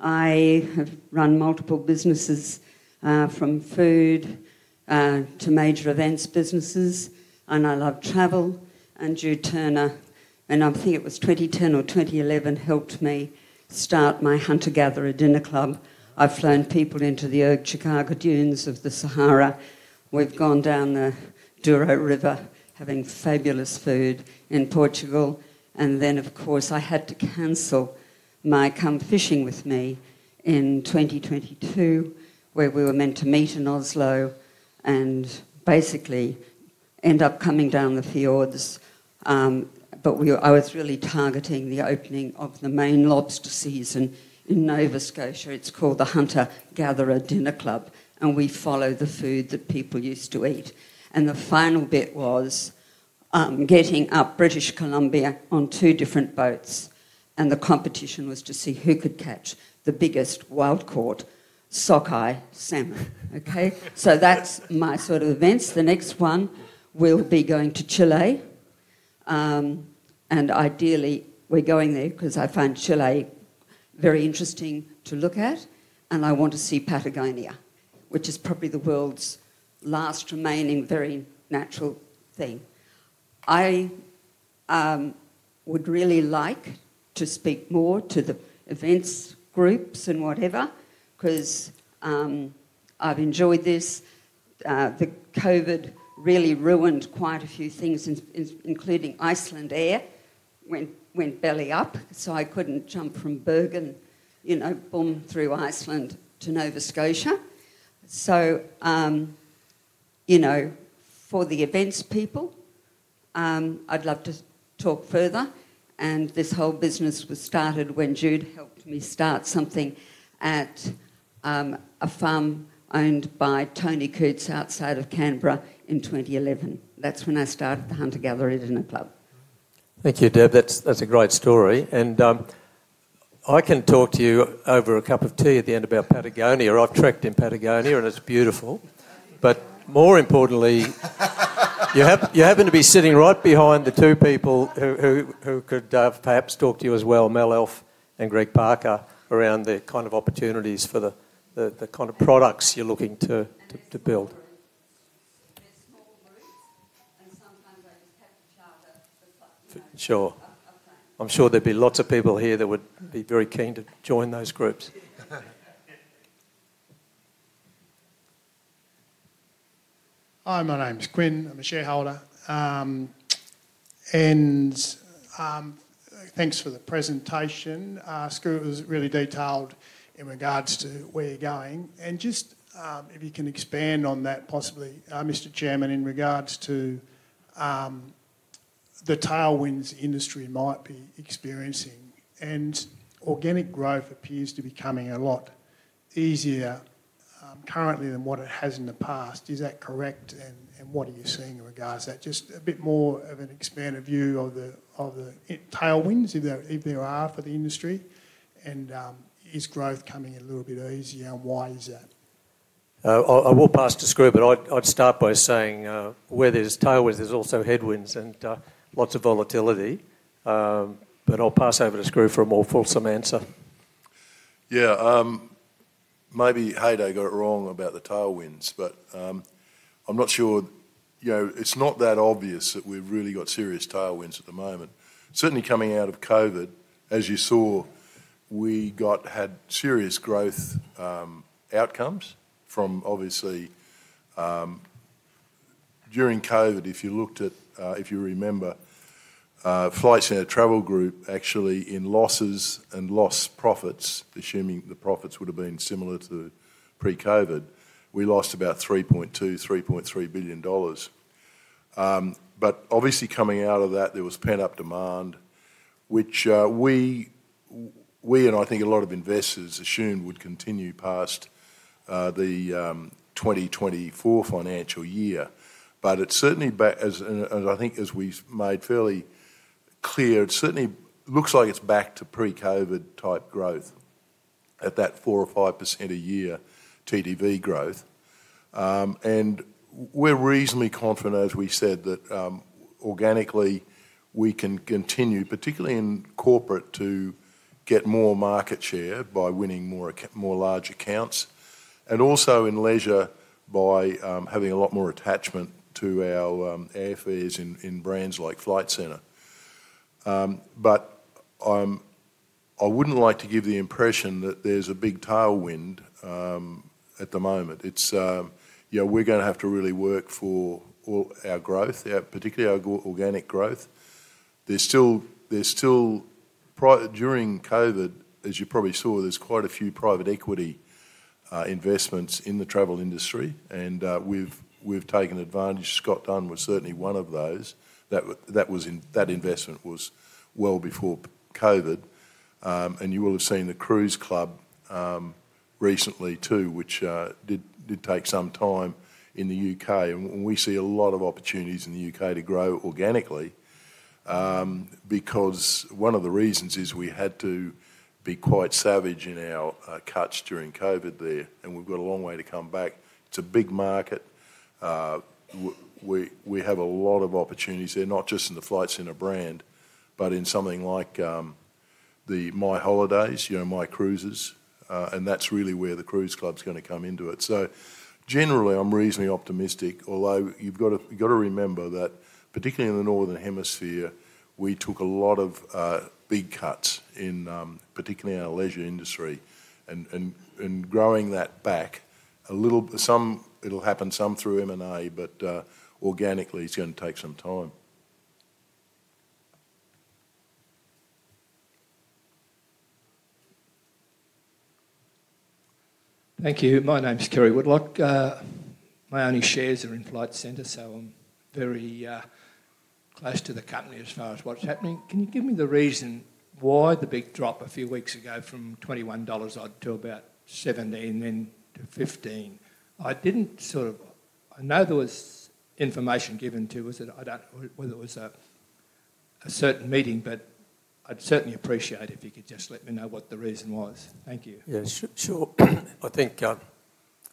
Speaker 7: I have run multiple businesses from food to major events businesses, and I love travel, and Skroo Turner, and I think it was 2010 or 2011, helped me start my Hunter-Gatherer Dinner Club. I've flown people into the Erg Chegaga dunes of the Sahara. We've gone down the Douro River, having fabulous food in Portugal, and then, of course, I had to cancel my "Come Fishing with Me" in 2022, where we were meant to meet in Oslo and basically end up coming down the fjords, but I was really targeting the opening of the Maine lobster season in Nova Scotia. It's called the Hunter-Gatherer Dinner Club, and we follow the food that people used to eat, and the final bit was getting up British Columbia on two different boats, and the competition was to see who could catch the biggest wild-caught sockeye salmon. Okay? So that's my sort of events. The next one will be going to Chile. And ideally, we're going there because I find Chile very interesting to look at, and I want to see Patagonia, which is probably the world's last remaining very natural thing. I would really like to speak more to the events groups and whatever because I've enjoyed this. The COVID really ruined quite a few things, including Icelandair went belly up, so I couldn't jump from Bergen, boom, through Iceland to Nova Scotia. So for the events people, I'd love to talk further. And this whole business was started when Jude helped me start something at a farm owned by Tony Coote outside of Canberra in 2011. That's when I started the Hunter-Gatherer Dinner Club.
Speaker 1: Thank you, Deb. That's a great story. And I can talk to you over a cup of tea at the end about Patagonia. I've trekked in Patagonia, and it's beautiful. But more importantly, you're happy to be sitting right behind the two people who could perhaps talk to you as well, Melissa Elf and Greg Parker, around the kind of opportunities for the kind of products you're looking to build.
Speaker 6: Sometimes I just have to charter the flight.
Speaker 1: Sure. I'm sure there'd be lots of people here that would be very keen to join those groups.
Speaker 8: Hi, my name's Quinn. I'm a shareholder. Thanks for the presentation. Skroo was really detailed in regards to where you're going. Just if you can expand on that, possibly, Mr. Chairman, in regards to the tailwinds the industry might be experiencing. Organic growth appears to be coming a lot easier currently than what it has in the past. Is that correct? What are you seeing in regards to that? Just a bit more of an expanded view of the tailwinds, if there are, for the industry. Is growth coming a little bit easier? Why is that?
Speaker 1: I will pass to Skroo, but I'd start by saying where there's tailwinds, there's also headwinds and lots of volatility. But I'll pass over to Skroo for a more fulsome answer.
Speaker 2: Yeah. Maybe Haydn got it wrong about the tailwinds, but I'm not sure. It's not that obvious that we've really got serious tailwinds at the moment. Certainly coming out of COVID, as you saw, we had serious growth outcomes from obviously during COVID, if you looked at, if you remember, Flight Centre Travel Group, actually in losses and lost profits, assuming the profits would have been similar to pre-COVID, we lost about 3.2-3.3 billion dollars. But obviously coming out of that, there was pent-up demand, which we and I think a lot of investors assumed would continue past the 2024 financial year. But it certainly, as I think, as we've made fairly clear, it certainly looks like it's back to pre-COVID type growth at that 4% or 5% a year TTV growth. We're reasonably confident, as we said, that organically we can continue, particularly in corporate, to get more market share by winning more large accounts and also in leisure by having a lot more attachment to our airfares in brands like Flight Centre. But I wouldn't like to give the impression that there's a big tailwind at the moment. We're going to have to really work for our growth, particularly our organic growth. There's still, during COVID, as you probably saw, there's quite a few private equity investments in the travel industry, and we've taken advantage. Scott Dunn was certainly one of those. That investment was well before COVID. You will have seen the Cruise Club UK recently too, which did take some time in the UK. We see a lot of opportunities in the U.K. to grow organically because one of the reasons is we had to be quite savage in our cuts during COVID there, and we've got a long way to come back. It's a big market. We have a lot of opportunities there, not just in the Flight Centre brand, but in something like the My Holidays, My Cruises. That's really where the Cruise Club's going to come into it. Generally, I'm reasonably optimistic, although you've got to remember that particularly in the Northern Hemisphere, we took a lot of big cuts in particularly our leisure industry and growing that back a little. It'll happen some through M&A, but organically it's going to take some time.
Speaker 9: Thank you. My name's Kerry Woodlock. My only shares are in Flight Centre, so I'm very close to the company as far as what's happening. Can you give me the reason why the big drop a few weeks ago from 21 dollars to about 17, then to 15? I didn't sort of, I know there was information given to us at, I don't know whether it was a certain meeting, but I'd certainly appreciate it if you could just let me know what the reason was. Thank you.
Speaker 1: Yeah, sure. I think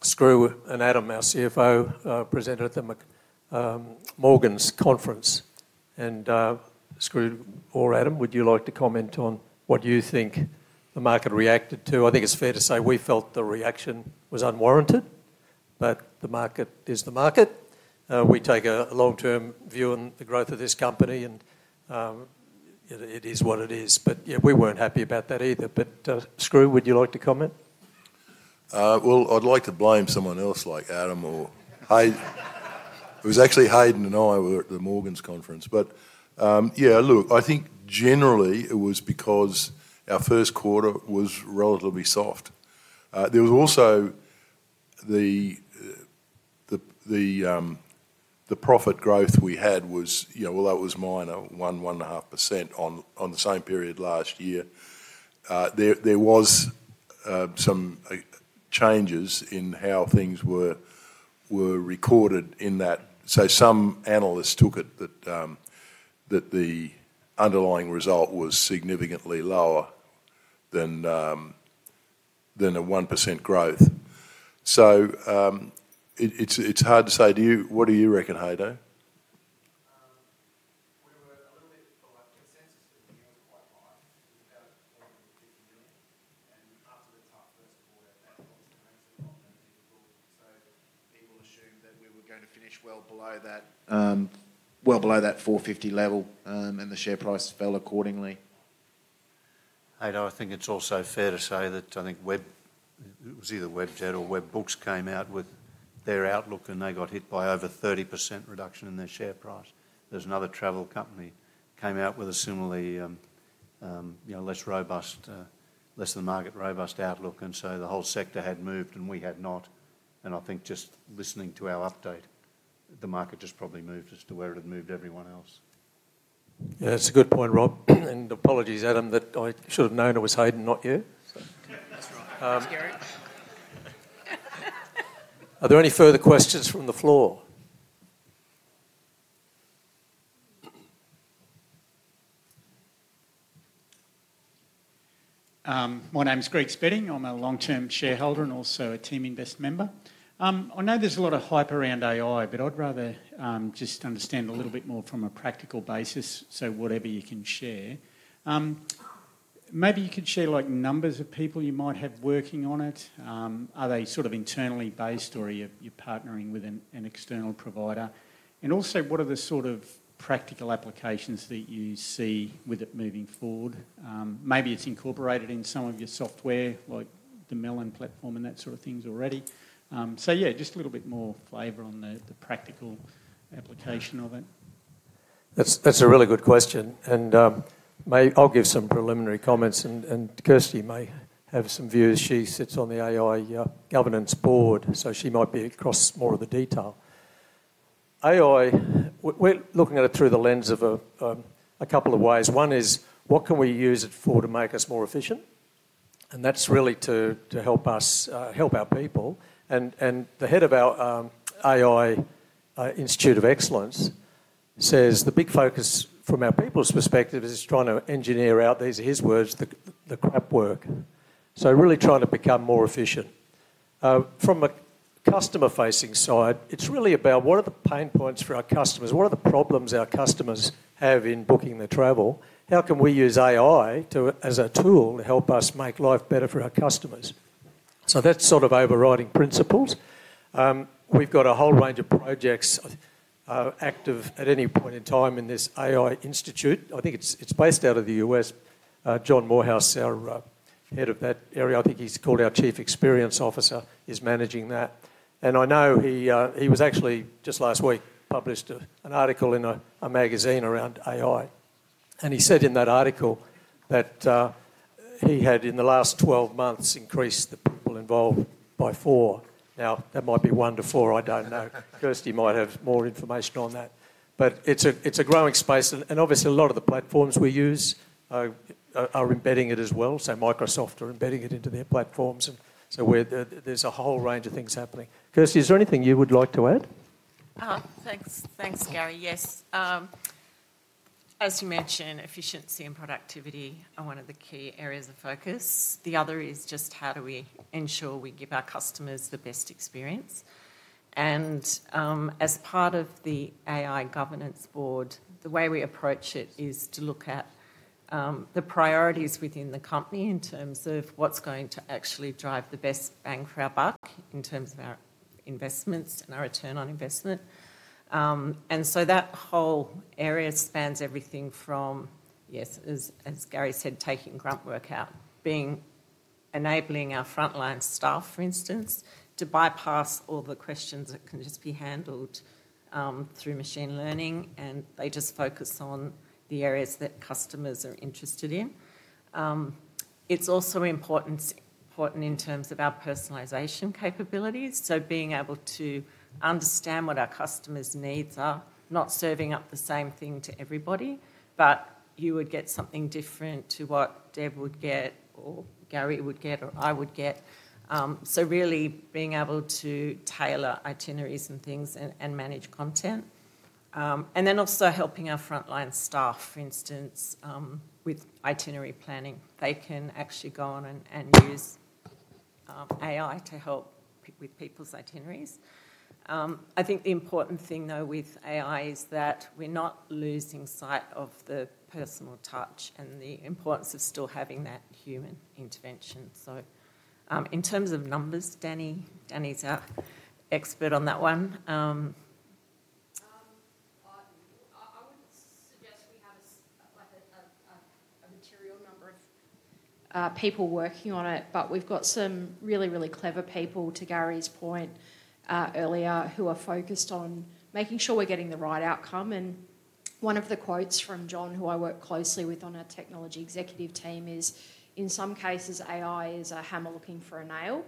Speaker 1: Skroo and Adam, our CFO, presented at the Morgan Stanley's conference. And Skroo or Adam, would you like to comment on what you think the market reacted to? I think it's fair to say we felt the reaction was unwarranted, but the market is the market. We take a long-term view on the growth of this company, and it is what it is. But yeah, we weren't happy about that either. But Skroo, would you like to comment?
Speaker 2: I'd like to blame someone else like Adam or Haydn. It was actually Haydn and I were at the Morgan conference. But yeah, look, I think generally it was because our Q1 was relatively soft. There was also the profit growth we had was, well, that was minor, 1.5% on the same period last year. There were some changes in how things were recorded in that. So some analysts took it that the underlying result was significantly lower than a 1% growth. So it's hard to say. What do you reckon, Haydn?
Speaker 3: We were a little bit below. Consensus was, we were quite high, about AUD 450 million, and after the tough Q1, that obviously brought many people, so people assumed that we were going to finish well below that 450 level, and the share price fell accordingly.
Speaker 10: Haydn, I think it's also fair to say that I think it was either Webjet or Webbooks came out with their outlook, and they got hit by over 30% reduction in their share price. There's another travel company that came out with a similarly less robust, less-than-market robust outlook. And so the whole sector had moved, and we had not. And I think just listening to our update, the market just probably moved as to where it had moved everyone else. Yeah.
Speaker 1: That's a good point, Rob, and apologies, Adam, that I should have known it was Haydn, not you.
Speaker 6: That's right.
Speaker 1: Are there any further questions from the floor?
Speaker 11: My name's Greg Spedding. I'm a long-term shareholder and also a TeamInvest member. I know there's a lot of hype around AI, but I'd rather just understand a little bit more from a practical basis, so whatever you can share. Maybe you could share numbers of people you might have working on it. Are they sort of internally based or are you partnering with an external provider? And also, what are the sort of practical applications that you see with it moving forward? Maybe it's incorporated in some of your software, like the Melon platform and that sort of thing already. So yeah, just a little bit more flavor on the practical application of it.
Speaker 1: That's a really good question. And I'll give some preliminary comments, and Kirsty may have some views. She sits on the AI Governance Board, so she might be across more of the detail. AI, we're looking at it through the lens of a couple of ways. One is, what can we use it for to make us more efficient? And that's really to help our people. And the head of our AI Centre of Excellence says the big focus from our people's perspective is trying to engineer out, these are his words, the crap work. So really trying to become more efficient. From a customer-facing side, it's really about what are the pain points for our customers? What are the problems our customers have in booking their travel? How can we use AI as a tool to help us make life better for our customers? So that's sort of overriding principles. We've got a whole range of projects active at any point in time in this AI Institute. I think it's based out of the U.S. John Morhous, our head of that area, I think he's called our Chief Experience Officer, is managing that. And I know he was actually just last week published an article in a magazine around AI. And he said in that article that he had, in the last 12 months, increased the people involved by four. Now, that might be one to four, I don't know. Kirsty might have more information on that. But it's a growing space. And obviously, a lot of the platforms we use are embedding it as well. So Microsoft are embedding it into their platforms. And so there's a whole range of things happening. Kirsty, is there anything you would like to add?
Speaker 12: Thanks, Gary. Yes. As you mentioned, efficiency and productivity are one of the key areas of focus. The other is just how do we ensure we give our customers the best experience, and as part of the AI Governance Board, the way we approach it is to look at the priorities within the company in terms of what's going to actually drive the best bang for our buck in terms of our investments and our return on investment, and so that whole area spans everything from, yes, as Gary said, taking grunt work out, being enabling our frontline staff, for instance, to bypass all the questions that can just be handled through machine learning, and they just focus on the areas that customers are interested in. It's also important in terms of our personalization capabilities. So, being able to understand what our customers' needs are, not serving up the same thing to everybody, but you would get something different to what Deb would get or Gary would get or I would get. So, really being able to tailor itineraries and things and manage content. And then also helping our frontline staff, for instance, with itinerary planning. They can actually go on and use AI to help with people's itineraries. I think the important thing, though, with AI is that we're not losing sight of the personal touch and the importance of still having that human intervention. So, in terms of numbers, Danny, Danny's our expert on that one.
Speaker 13: I would suggest we have a material number of people working on it, but we've got some really, really clever people, to Gary's point earlier, who are focused on making sure we're getting the right outcome, and one of the quotes from John, who I work closely with on our technology executive team, is, "In some cases, AI is a hammer looking for a nail."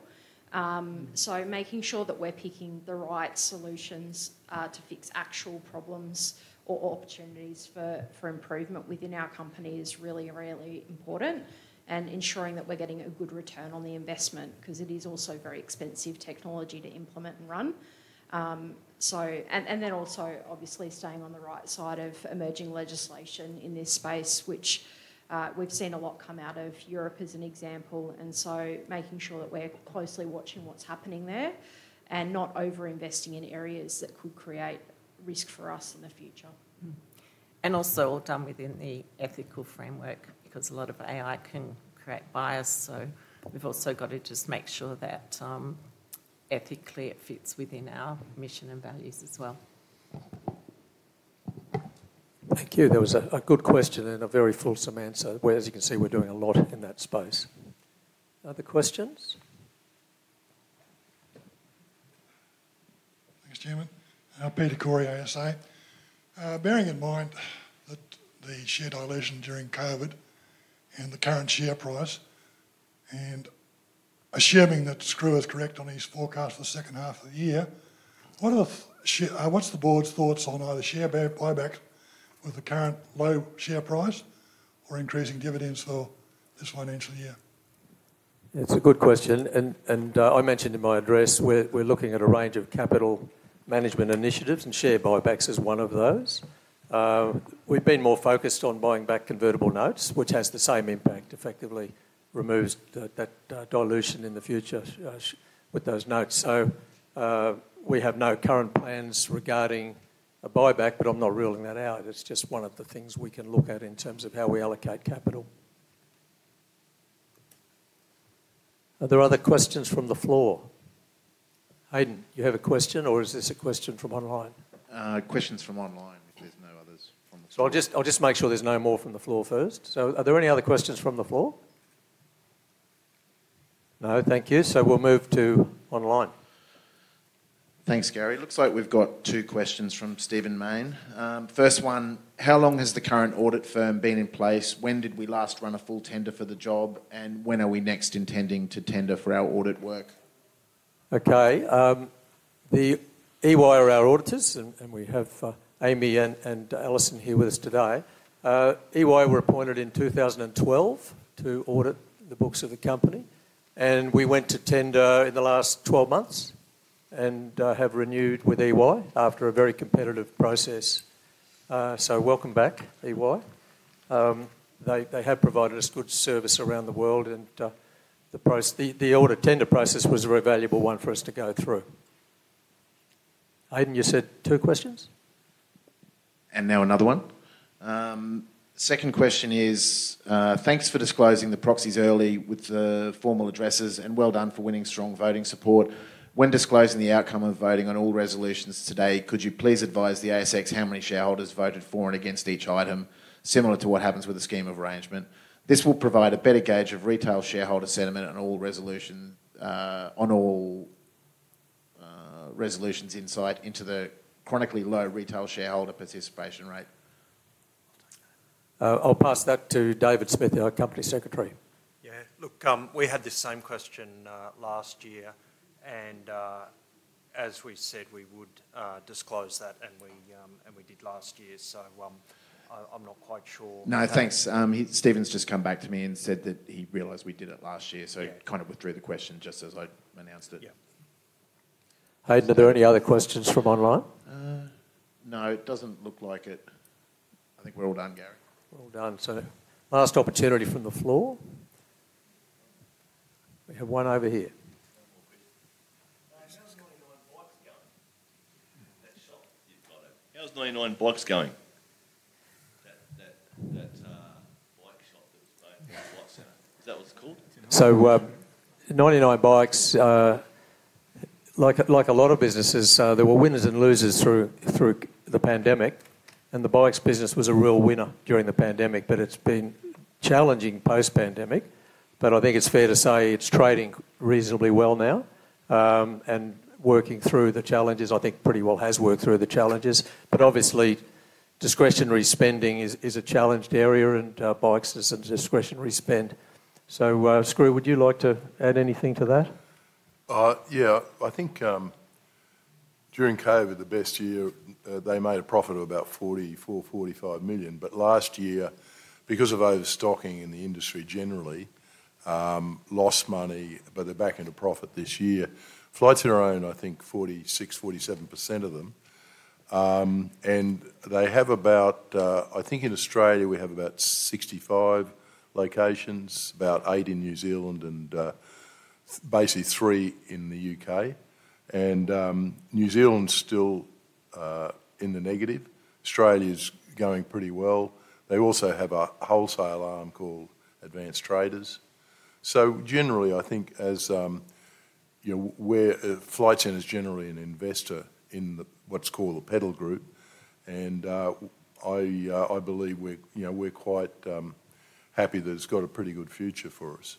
Speaker 13: So making sure that we're picking the right solutions to fix actual problems or opportunities for improvement within our company is really, really important, and ensuring that we're getting a good return on the investment because it is also very expensive technology to implement and run, and then also, obviously, staying on the right side of emerging legislation in this space, which we've seen a lot come out of Europe as an example. Making sure that we're closely watching what's happening there and not over-investing in areas that could create risk for us in the future.
Speaker 12: And also done within the ethical framework because a lot of AI can create bias. So we've also got to just make sure that ethically it fits within our mission and values as well.
Speaker 1: Thank you. That was a good question and a very fulsome answer. As you can see, we're doing a lot in that space. Other questions?
Speaker 14: Thanks, Chairman. Peter Curry, ASA. Bearing in mind that the share dilution during COVID and the current share price, and assuming that Skroo's correct on his forecast for the second half of the year, what's the board's thoughts on either share buybacks with the current low share price or increasing dividends for this financial year?
Speaker 1: That's a good question, and I mentioned in my address, we're looking at a range of capital management initiatives, and share buybacks is one of those. We've been more focused on buying back convertible notes, which has the same impact, effectively removes that dilution in the future with those notes. So we have no current plans regarding a buyback, but I'm not ruling that out. It's just one of the things we can look at in terms of how we allocate capital. Are there other questions from the floor? Haydn, you have a question, or is this a question from online?
Speaker 3: Questions from online, if there's no others from the floor.
Speaker 1: I'll just make sure there's no more from the floor first. So are there any other questions from the floor? No? Thank you. So we'll move to online.
Speaker 3: Thanks, Gary. It looks like we've got two questions from Stephen Mayne. First one, how long has the current audit firm been in place? When did we last run a full tender for the job? And when are we next intending to tender for our audit work?
Speaker 1: Okay. EY are our auditors, and we have Amy and Alison here with us today. EY were appointed in 2012 to audit the books of the company. And we went to tender in the last 12 months and have renewed with EY after a very competitive process. So welcome back, EY. They have provided us good service around the world, and the audit tender process was a very valuable one for us to go through. Haydn, you said two questions?
Speaker 3: And now another one. Second question is, thanks for disclosing the proxies early with the formal addresses, and well done for winning strong voting support. When disclosing the outcome of voting on all resolutions today, could you please advise the ASX how many shareholders voted for and against each item, similar to what happens with the scheme of arrangement? This will provide a better gauge of retail shareholder sentiment on all resolutions, insight into the chronically low retail shareholder participation rate.
Speaker 1: I'll pass that to David Smith, our Company Secretary.
Speaker 15: Yeah, look, we had this same question last year. And as we said, we would disclose that, and we did last year. So I'm not quite sure.
Speaker 3: No, thanks. Stephen's just come back to me and said that he realised we did it last year, so he kind of withdrew the question just as I announced it.
Speaker 1: Haydn, are there any other questions from online?
Speaker 3: No, it doesn't look like it. I think we're all done, Gary.
Speaker 1: We're all done. So last opportunity from the floor. We have one over here.
Speaker 8: How's 99 Bikes going? That shop, you've got it. How's 99 Bikes going? That bike shop that was voted by 99 Bikes. Is that what it's called?
Speaker 1: 99 Bikes, like a lot of businesses, there were winners and losers through the pandemic. And the bikes business was a real winner during the pandemic, but it's been challenging post-pandemic. But I think it's fair to say it's trading reasonably well now. And working through the challenges, I think pretty well has worked through the challenges. But obviously, discretionary spending is a challenged area, and bikes is a discretionary spend. So Skroo, would you like to add anything to that?
Speaker 2: Yeah. I think during COVID, the best year, they made a profit of about 44-45 million. But last year, because of overstocking in the industry generally, they lost money, but they're back into profit this year. Flight Centre owns, I think, 46-47% of them. And they have about, I think in Australia, we have about 65 locations, about eight in New Zealand, and basically three in the U.K. And New Zealand's still in the negative. Australia's going pretty well. They also have a wholesale arm called Advance Traders. So generally, I think Flight Centre's generally an investor in what's called the Pedal Group. And I believe we're quite happy that it's got a pretty good future for us,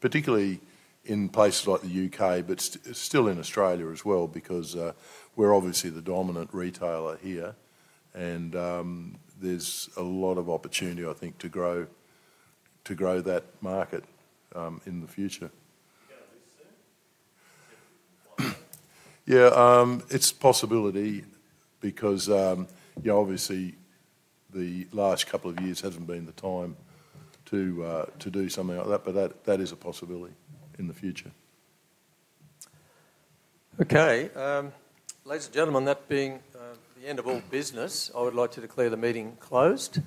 Speaker 2: particularly in places like the U.K., but still in Australia as well, because we're obviously the dominant retailer here. There's a lot of opportunity, I think, to grow that market in the future. Can IPOsoon? Yeah, it's a possibility because obviously, the last couple of years hasn't been the time to do something like that, but that is a possibility in the future.
Speaker 1: Okay. Ladies and gentlemen, that being the end of all business, I would like to declare the meeting closed,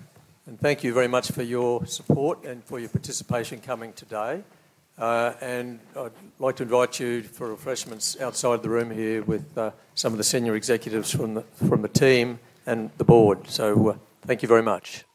Speaker 1: and thank you very much for your support and for your participation coming today. I'd like to invite you for refreshments outside the room here with some of the senior executives from the team and the board, so thank you very much.